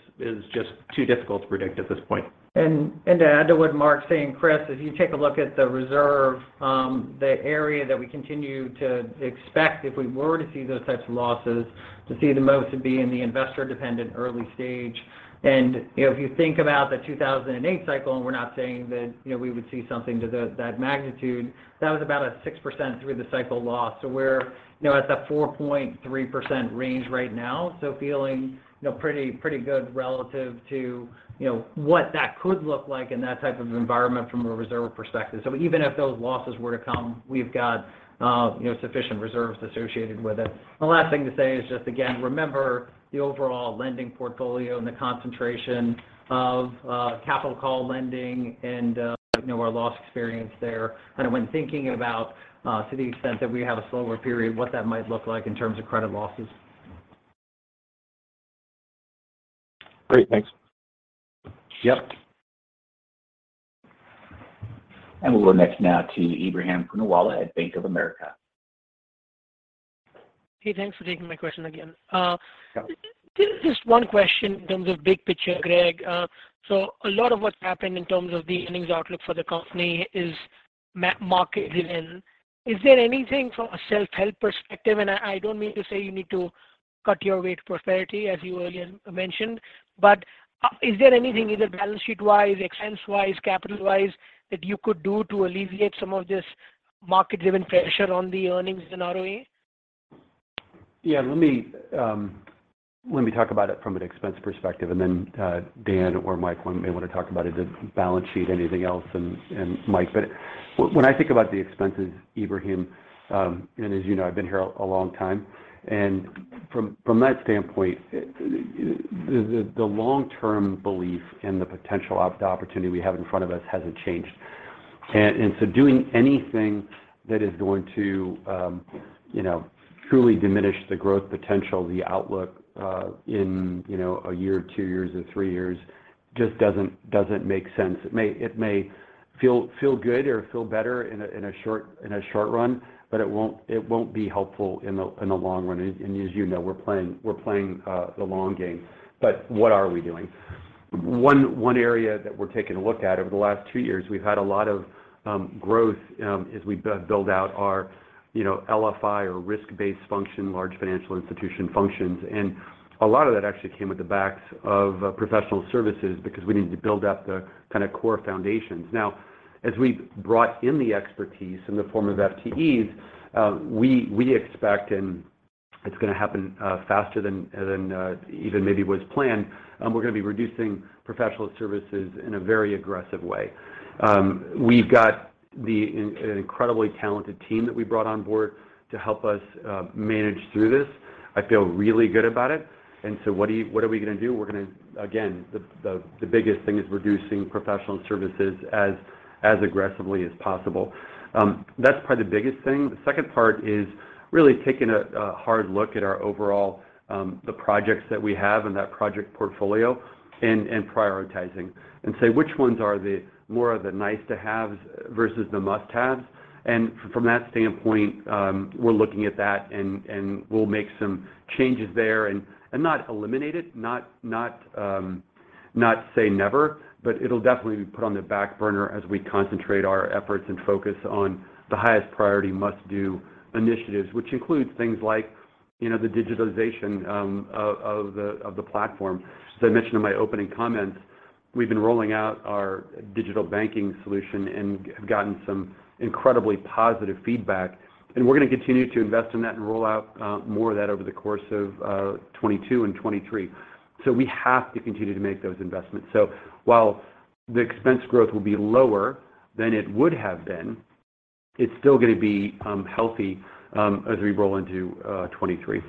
just too difficult to predict at this point. To add to what Marc's saying, Chris, if you take a look at the reserve, the area that we continue to expect if we were to see those types of losses, to see the most would be in the investor-dependent early stage. If you think about the 2008 cycle, and we're not saying that, you know, we would see something to that magnitude, that was about a 6% through the cycle loss. We're, you know, at the 4.3% range right now, so feeling, you know, pretty good relative to, you know, what that could look like in that type of environment from a reserve perspective. Even if those losses were to come, we've got, you know, sufficient reserves associated with it. The last thing to say is just, again, remember the overall lending portfolio and the concentration of, capital call lending and, you know, our loss experience there, kind of when thinking about, to the extent that we have a slower period, what that might look like in terms of credit losses. Great. Thanks. Yep. We'll go next now to Ebrahim Poonawala at Bank of America. Hey, thanks for taking my question again. Yeah. Just one question in terms of big picture, Greg. A lot of what's happened in terms of the earnings outlook for the company is market driven. Is there anything from a self-help perspective, and I don't mean to say you need to cut your way to prosperity, as you earlier mentioned, but is there anything either balance sheet-wise, expense-wise, capital-wise, that you could do to alleviate some of this market-driven pressure on the earnings and ROE? Yeah, let me talk about it from an expense perspective, and then Dan or Mike may want to talk about it, the balance sheet, anything else, and Mike. When I think about the expenses, Ebrahim, and as you know, I've been here a long time, and from that standpoint, the long-term belief and the potential opportunity we have in front of us hasn't changed. Doing anything that is going to, you know, truly diminish the growth potential, the outlook in, you know, a year, two years, and three years just doesn't make sense. It may feel good or feel better in a short run, but it won't be helpful in the long run. As you know, we're playing the long game. But what are we doing? One area that we're taking a look at, over the last two years, we've had a lot of growth as we build out our, you know, LFI or risk-based function, large financial institution functions. A lot of that actually came on the backs of professional services because we needed to build up the kind of core foundations. Now, as we brought in the expertise in the form of FTEs, we expect, and it's gonna happen faster than even maybe was planned, we're gonna be reducing professional services in a very aggressive way. We've got an incredibly talented team that we brought on board to help us manage through this. I feel really good about it. What are we gonna do? We're gonna again, the biggest thing is reducing professional services as aggressively as possible. That's probably the biggest thing. The second part is really taking a hard look at our overall, the projects that we have and that project portfolio and prioritizing. Say which ones are the more of the nice to haves versus the must-haves. From that standpoint, we're looking at that and we'll make some changes there, and not eliminate it, not say never, but it'll definitely be put on the back burner as we concentrate our efforts and focus on the highest priority must-do initiatives, which includes things like, you know, the digitization of the platform. As I mentioned in my opening comments, we've been rolling out our digital banking solution and have gotten some incredibly positive feedback. We're gonna continue to invest in that and roll out more of that over the course of 2022 and 2023. We have to continue to make those investments. While the expense growth will be lower than it would have been, it's still gonna be healthy as we roll into 2023.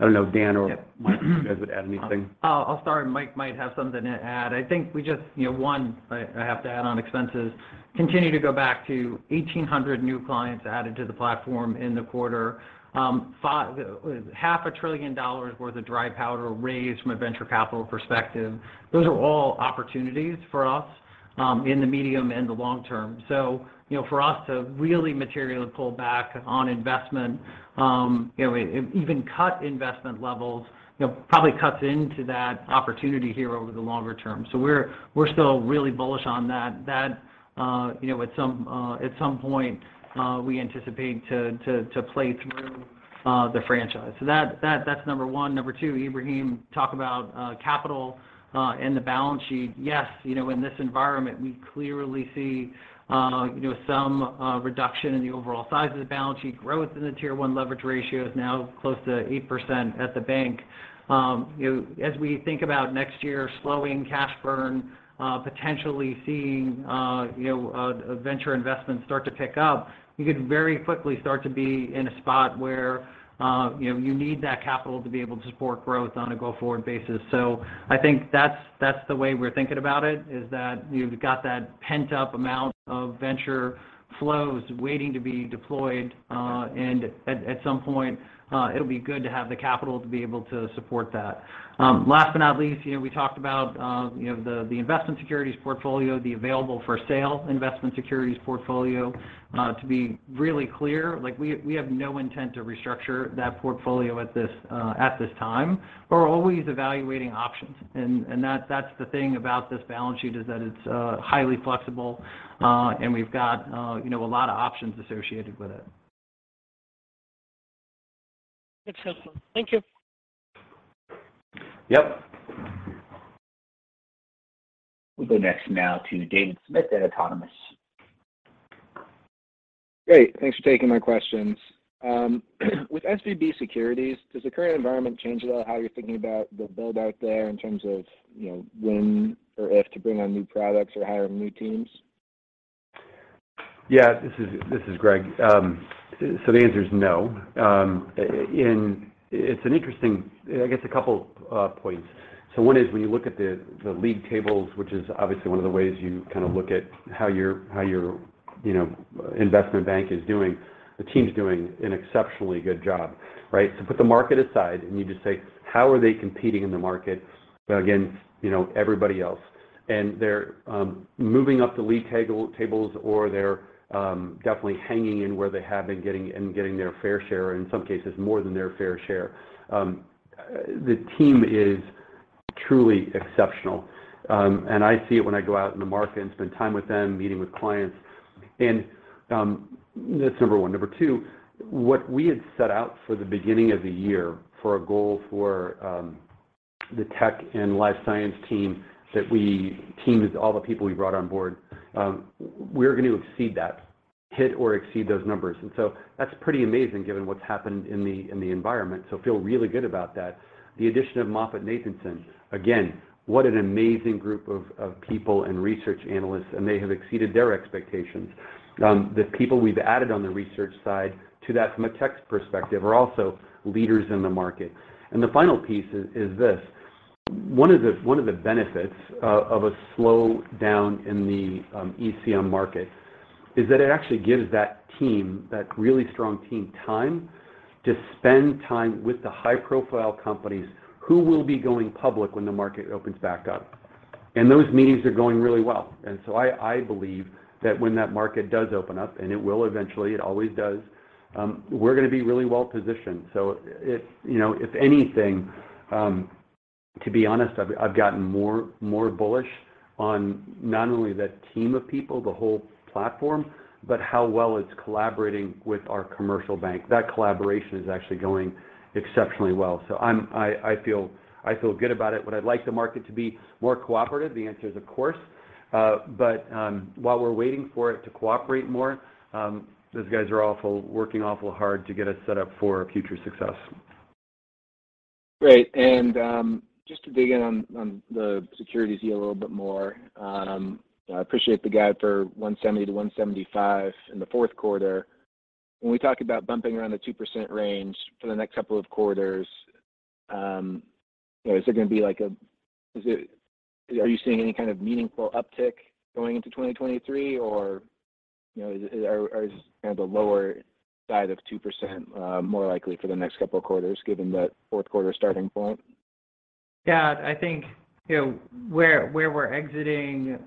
I don't know if Dan or Mike, you guys would add anything. I'll start. Mike might have something to add. I think we just, you know, one, I have to add on expenses, continue to go back to 1,800 new clients added to the platform in the quarter. Half a trillion dollars worth of dry powder raised from a venture capital perspective. Those are all opportunities for us, in the medium and the long term. You know, for us to really materially pull back on investment, you know, even cut investment levels, you know, probably cuts into that opportunity here over the longer term. We're still really bullish on that, you know, at some point, we anticipate to play through the franchise. That's number one. Number two, Ebrahim, talk about capital and the balance sheet. Yes, you know, in this environment, we clearly see you know, some reduction in the overall size of the balance sheet. Growth in the Tier 1 leverage ratio is now close to 8% at the bank. You know, as we think about next year, slowing cash burn, potentially seeing you know, venture investments start to pick up, you could very quickly start to be in a spot where you know, you need that capital to be able to support growth on a go-forward basis. I think that's the way we're thinking about it, is that you've got that pent-up amount of venture flows waiting to be deployed. At some point, it'll be good to have the capital to be able to support that. Last but not least, you know, we talked about, you know, the investment securities portfolio, the available-for-sale investment securities portfolio. To be really clear, like, we have no intent to restructure that portfolio at this time. We're always evaluating options, and that's the thing about this balance sheet, is that it's highly flexible, and we've got, you know, a lot of options associated with it. Excellent. Thank you. Yep. We'll go next now to David Smith at Autonomous. Great. Thanks for taking my questions. With SVB Securities, does the current environment change at all how you're thinking about the build-out there in terms of, you know, when or if to bring on new products or hire new teams? Yeah. This is Greg. The answer is no. It's an interesting, I guess a couple points. One is when you look at the league tables, which is obviously one of the ways you kind of look at how your investment bank is doing. The team's doing an exceptionally good job, right? Put the market aside and you just say, how are they competing in the market against, you know, everybody else? They're moving up the league tables, or they're definitely hanging in where they have been getting their fair share, or in some cases more than their fair share. The team is truly exceptional. I see it when I go out in the market and spend time with them, meeting with clients. That's number one. Number two, what we had set out for the beginning of the year for a goal for, the tech and life science team that we teamed with all the people we brought on board, we're going to exceed that. Hit or exceed those numbers. That's pretty amazing given what's happened in the environment, so feel really good about that. The addition of MoffettNathanson, again, what an amazing group of people and research analysts, and they have exceeded their expectations. The people we've added on the research side to that from a tech perspective are also leaders in the market. The final piece is this. One of the benefits of a slowdown in the ECM market is that it actually gives that team, that really strong team, time to spend with the high-profile companies who will be going public when the market opens back up. Those meetings are going really well. I believe that when that market does open up, and it will eventually, it always does, we're going to be really well-positioned. You know, if anything, to be honest, I've gotten more bullish on not only that team of people, the whole platform, but how well it's collaborating with our commercial bank. That collaboration is actually going exceptionally well. I feel good about it. Would I like the market to be more cooperative? The answer is of course. While we're waiting for it to cooperate more, those guys are working awful hard to get us set up for future success. Great. Just to dig in on the securities yield a little bit more. I appreciate the guide for 170-175 in the fourth quarter. When we talk about bumping around the 2% range for the next couple of quarters, you know, are you seeing any kind of meaningful uptick going into 2023 or, you know, is kind of the lower side of 2% more likely for the next couple of quarters given that fourth quarter starting point? Yeah. I think, you know, where we're exiting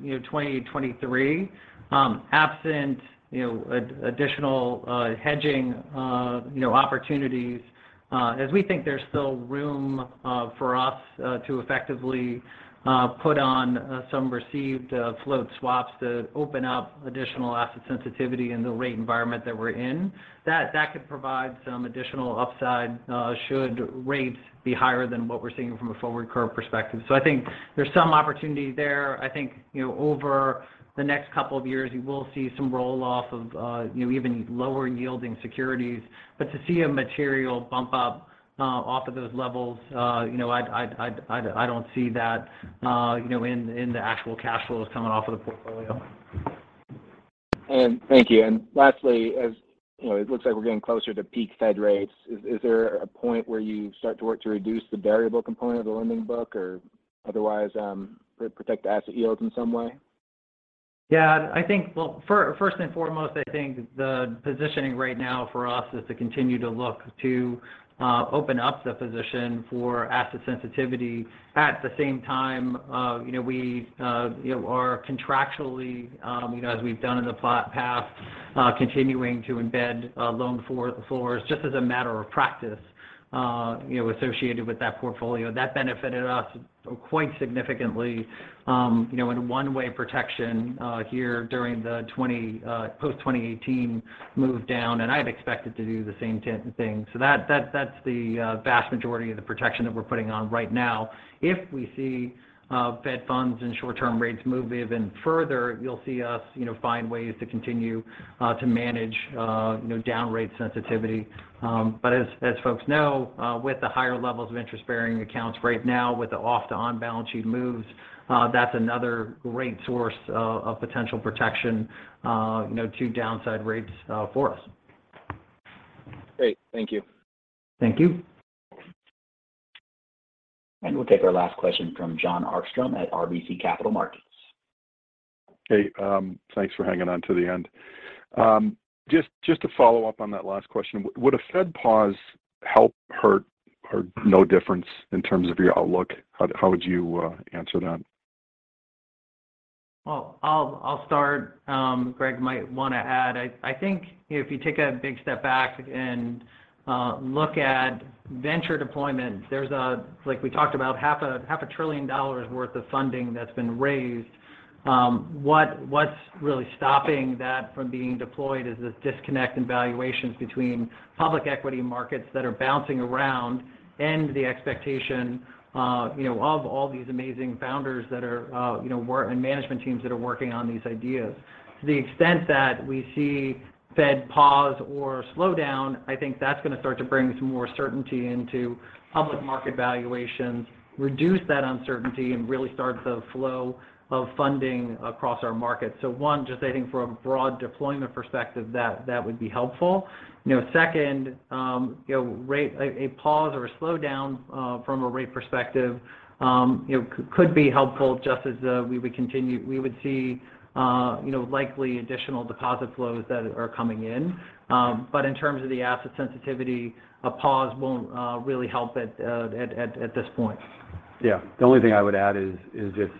2023, absent, you know, additional hedging, you know, opportunities, as we think there's still room for us to effectively put on some receive float swaps to open up additional asset sensitivity in the rate environment that we're in, that could provide some additional upside should rates be higher than what we're seeing from a forward curve perspective. I think there's some opportunity there. I think, you know, over the next couple of years, you will see some roll-off of, you know, even lower yielding securities. To see a material bump up off of those levels, you know, I don't see that, you know, in the actual cash flows coming off of the portfolio. Thank you. Lastly, as you know, it looks like we're getting closer to peak Fed rates. Is there a point where you start to work to reduce the variable component of the lending book or otherwise, protect asset yields in some way? Yeah. I think. Well, first and foremost, I think the positioning right now for us is to continue to look to open up the position for asset sensitivity. At the same time, you know, we, you know, are contractually, you know, as we've done in the past, continuing to embed loan floors just as a matter of practice, you know, associated with that portfolio. That benefited us quite significantly, you know, in one-way protection here during the post-2018 move down. I'd expect it to do the same thing. That's the vast majority of the protection that we're putting on right now. If we see Fed funds and short-term rates move even further, you'll see us, you know, find ways to continue to manage, you know, down rate sensitivity. As folks know, with the higher levels of interest-bearing accounts right now with the off to on-balance sheet moves, that's another great source of potential protection, you know, to downside rates, for us. Great. Thank you. Thank you. We'll take our last question from Jon Arfstrom at RBC Capital Markets. Hey, thanks for hanging on to the end. Just to follow up on that last question. Would a Fed pause help, hurt, or no difference in terms of your outlook? How would you answer that? I'll start. Greg might want to add. I think if you take a big step back and look at venture deployments, there's a, like we talked about, half a trillion dollars worth of funding that's been raised. What's really stopping that from being deployed is this disconnect in valuations between public equity markets that are bouncing around and the expectation, you know, of all these amazing founders that are, you know, working and management teams that are working on these ideas. To the extent that we see Fed pause or slow down, I think that's going to start to bring some more certainty into public market valuations, reduce that uncertainty, and really start the flow of funding across our market. One, just I think from a broad deployment perspective, that would be helpful. You know, second, you know, a pause or a slowdown from a rate perspective, you know, could be helpful just as we would see, you know, likely additional deposit flows that are coming in. In terms of the asset sensitivity, a pause won't really help at this point. Yeah. The only thing I would add is just,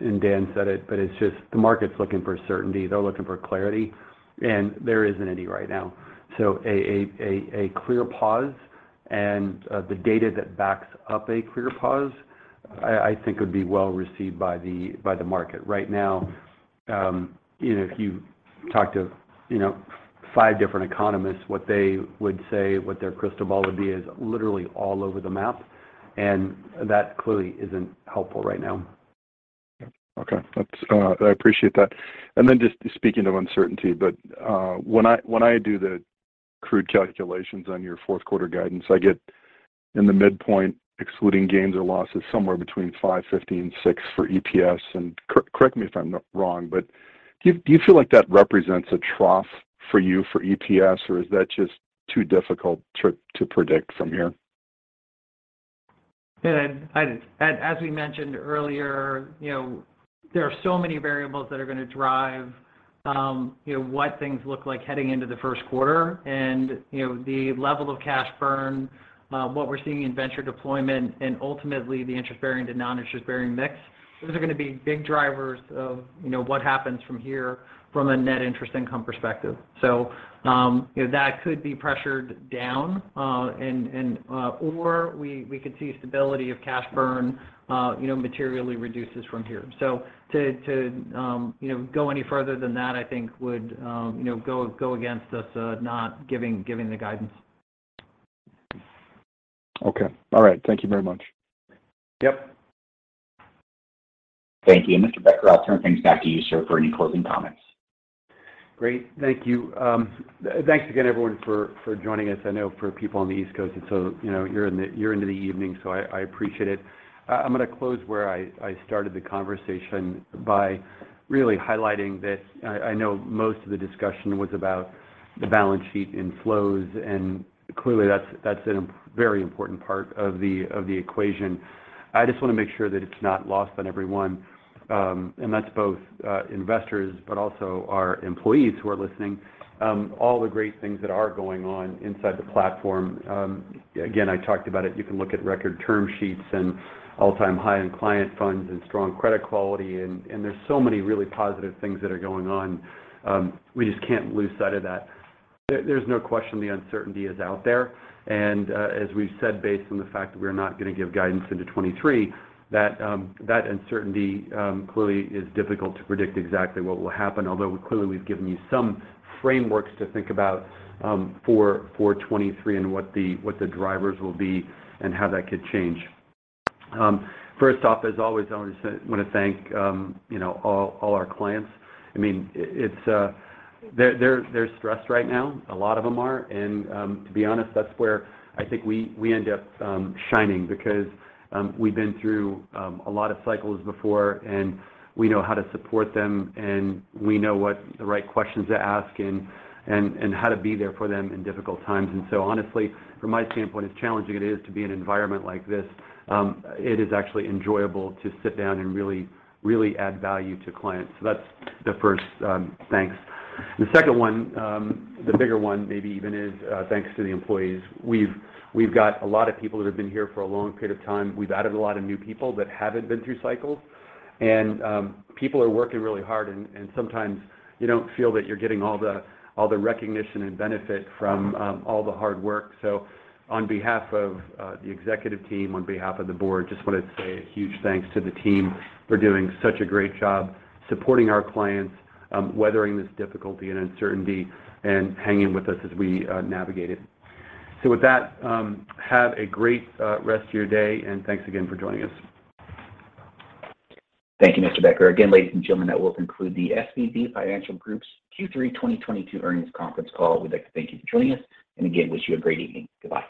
and Dan said it, but it's just the market's looking for certainty. They're looking for clarity, and there isn't any right now. A clear pause and the data that backs up a clear pause, I think would be well received by the market. Right now, you know, if you talk to, you know, five different economists, what they would say, what their crystal ball would be is literally all over the map, and that clearly isn't helpful right now. Okay. That's. I appreciate that. Then just speaking of uncertainty, when I do the crude calculations on your fourth quarter guidance, I get at the midpoint, excluding gains or losses, somewhere between $5.50 and $6 for EPS. Correct me if I'm wrong, but do you feel like that represents a trough for you for EPS, or is that just too difficult to predict from here? As we mentioned earlier, you know, there are so many variables that are gonna drive, you know, what things look like heading into the first quarter and, you know, the level of cash burn, what we're seeing in venture deployment and ultimately the interest-bearing to non-interest-bearing mix. Those are gonna be big drivers of, you know, what happens from here from a net interest income perspective. That could be pressured down, or we could see stability of cash burn, you know, materially reduces from here. To go any further than that, I think would go against us giving the guidance. Okay. All right. Thank you very much. Yep. Thank you. Mr. Becker, I'll turn things back to you, sir, for any closing comments. Great. Thank you. Thanks again, everyone, for joining us. I know for people on the East Coast, it's, you know, you're into the evening, so I appreciate it. I'm gonna close where I started the conversation by really highlighting that I know most of the discussion was about the balance sheet and flows, and clearly that's a very important part of the equation. I just wanna make sure that it's not lost on everyone, and that's both investors but also our employees who are listening, all the great things that are going on inside the platform. Again, I talked about it. You can look at record term sheets and all-time high-end client funds and strong credit quality and there's so many really positive things that are going on. We just can't lose sight of that. There's no question the uncertainty is out there, and as we've said, based on the fact that we're not gonna give guidance into 2023, that uncertainty clearly is difficult to predict exactly what will happen. Although clearly we've given you some frameworks to think about for 2023 and what the drivers will be and how that could change. First off, as always, I want to thank you know all our clients. I mean, it's they're stressed right now, a lot of them are. To be honest, that's where I think we end up shining because we've been through a lot of cycles before and we know how to support them and we know what the right questions to ask and how to be there for them in difficult times. Honestly, from my standpoint, as challenging it is to be in an environment like this, it is actually enjoyable to sit down and really, really add value to clients. That's the first thanks. The second one, the bigger one maybe even is, thanks to the employees. We've got a lot of people that have been here for a long period of time. We've added a lot of new people that haven't been through cycles. People are working really hard and sometimes you don't feel that you're getting all the recognition and benefit from all the hard work. On behalf of the executive team, on behalf of the board, just want to say a huge thanks to the team for doing such a great job supporting our clients, weathering this difficulty and uncertainty, and hanging with us as we navigate it. With that, have a great rest of your day, and thanks again for joining us. Thank you, Mr. Becker. Again, ladies and gentlemen, that will conclude the SVB Financial Group's Q3 2022 Earnings Conference Call. We'd like to thank you for joining us, and again, wish you a great evening. Goodbye.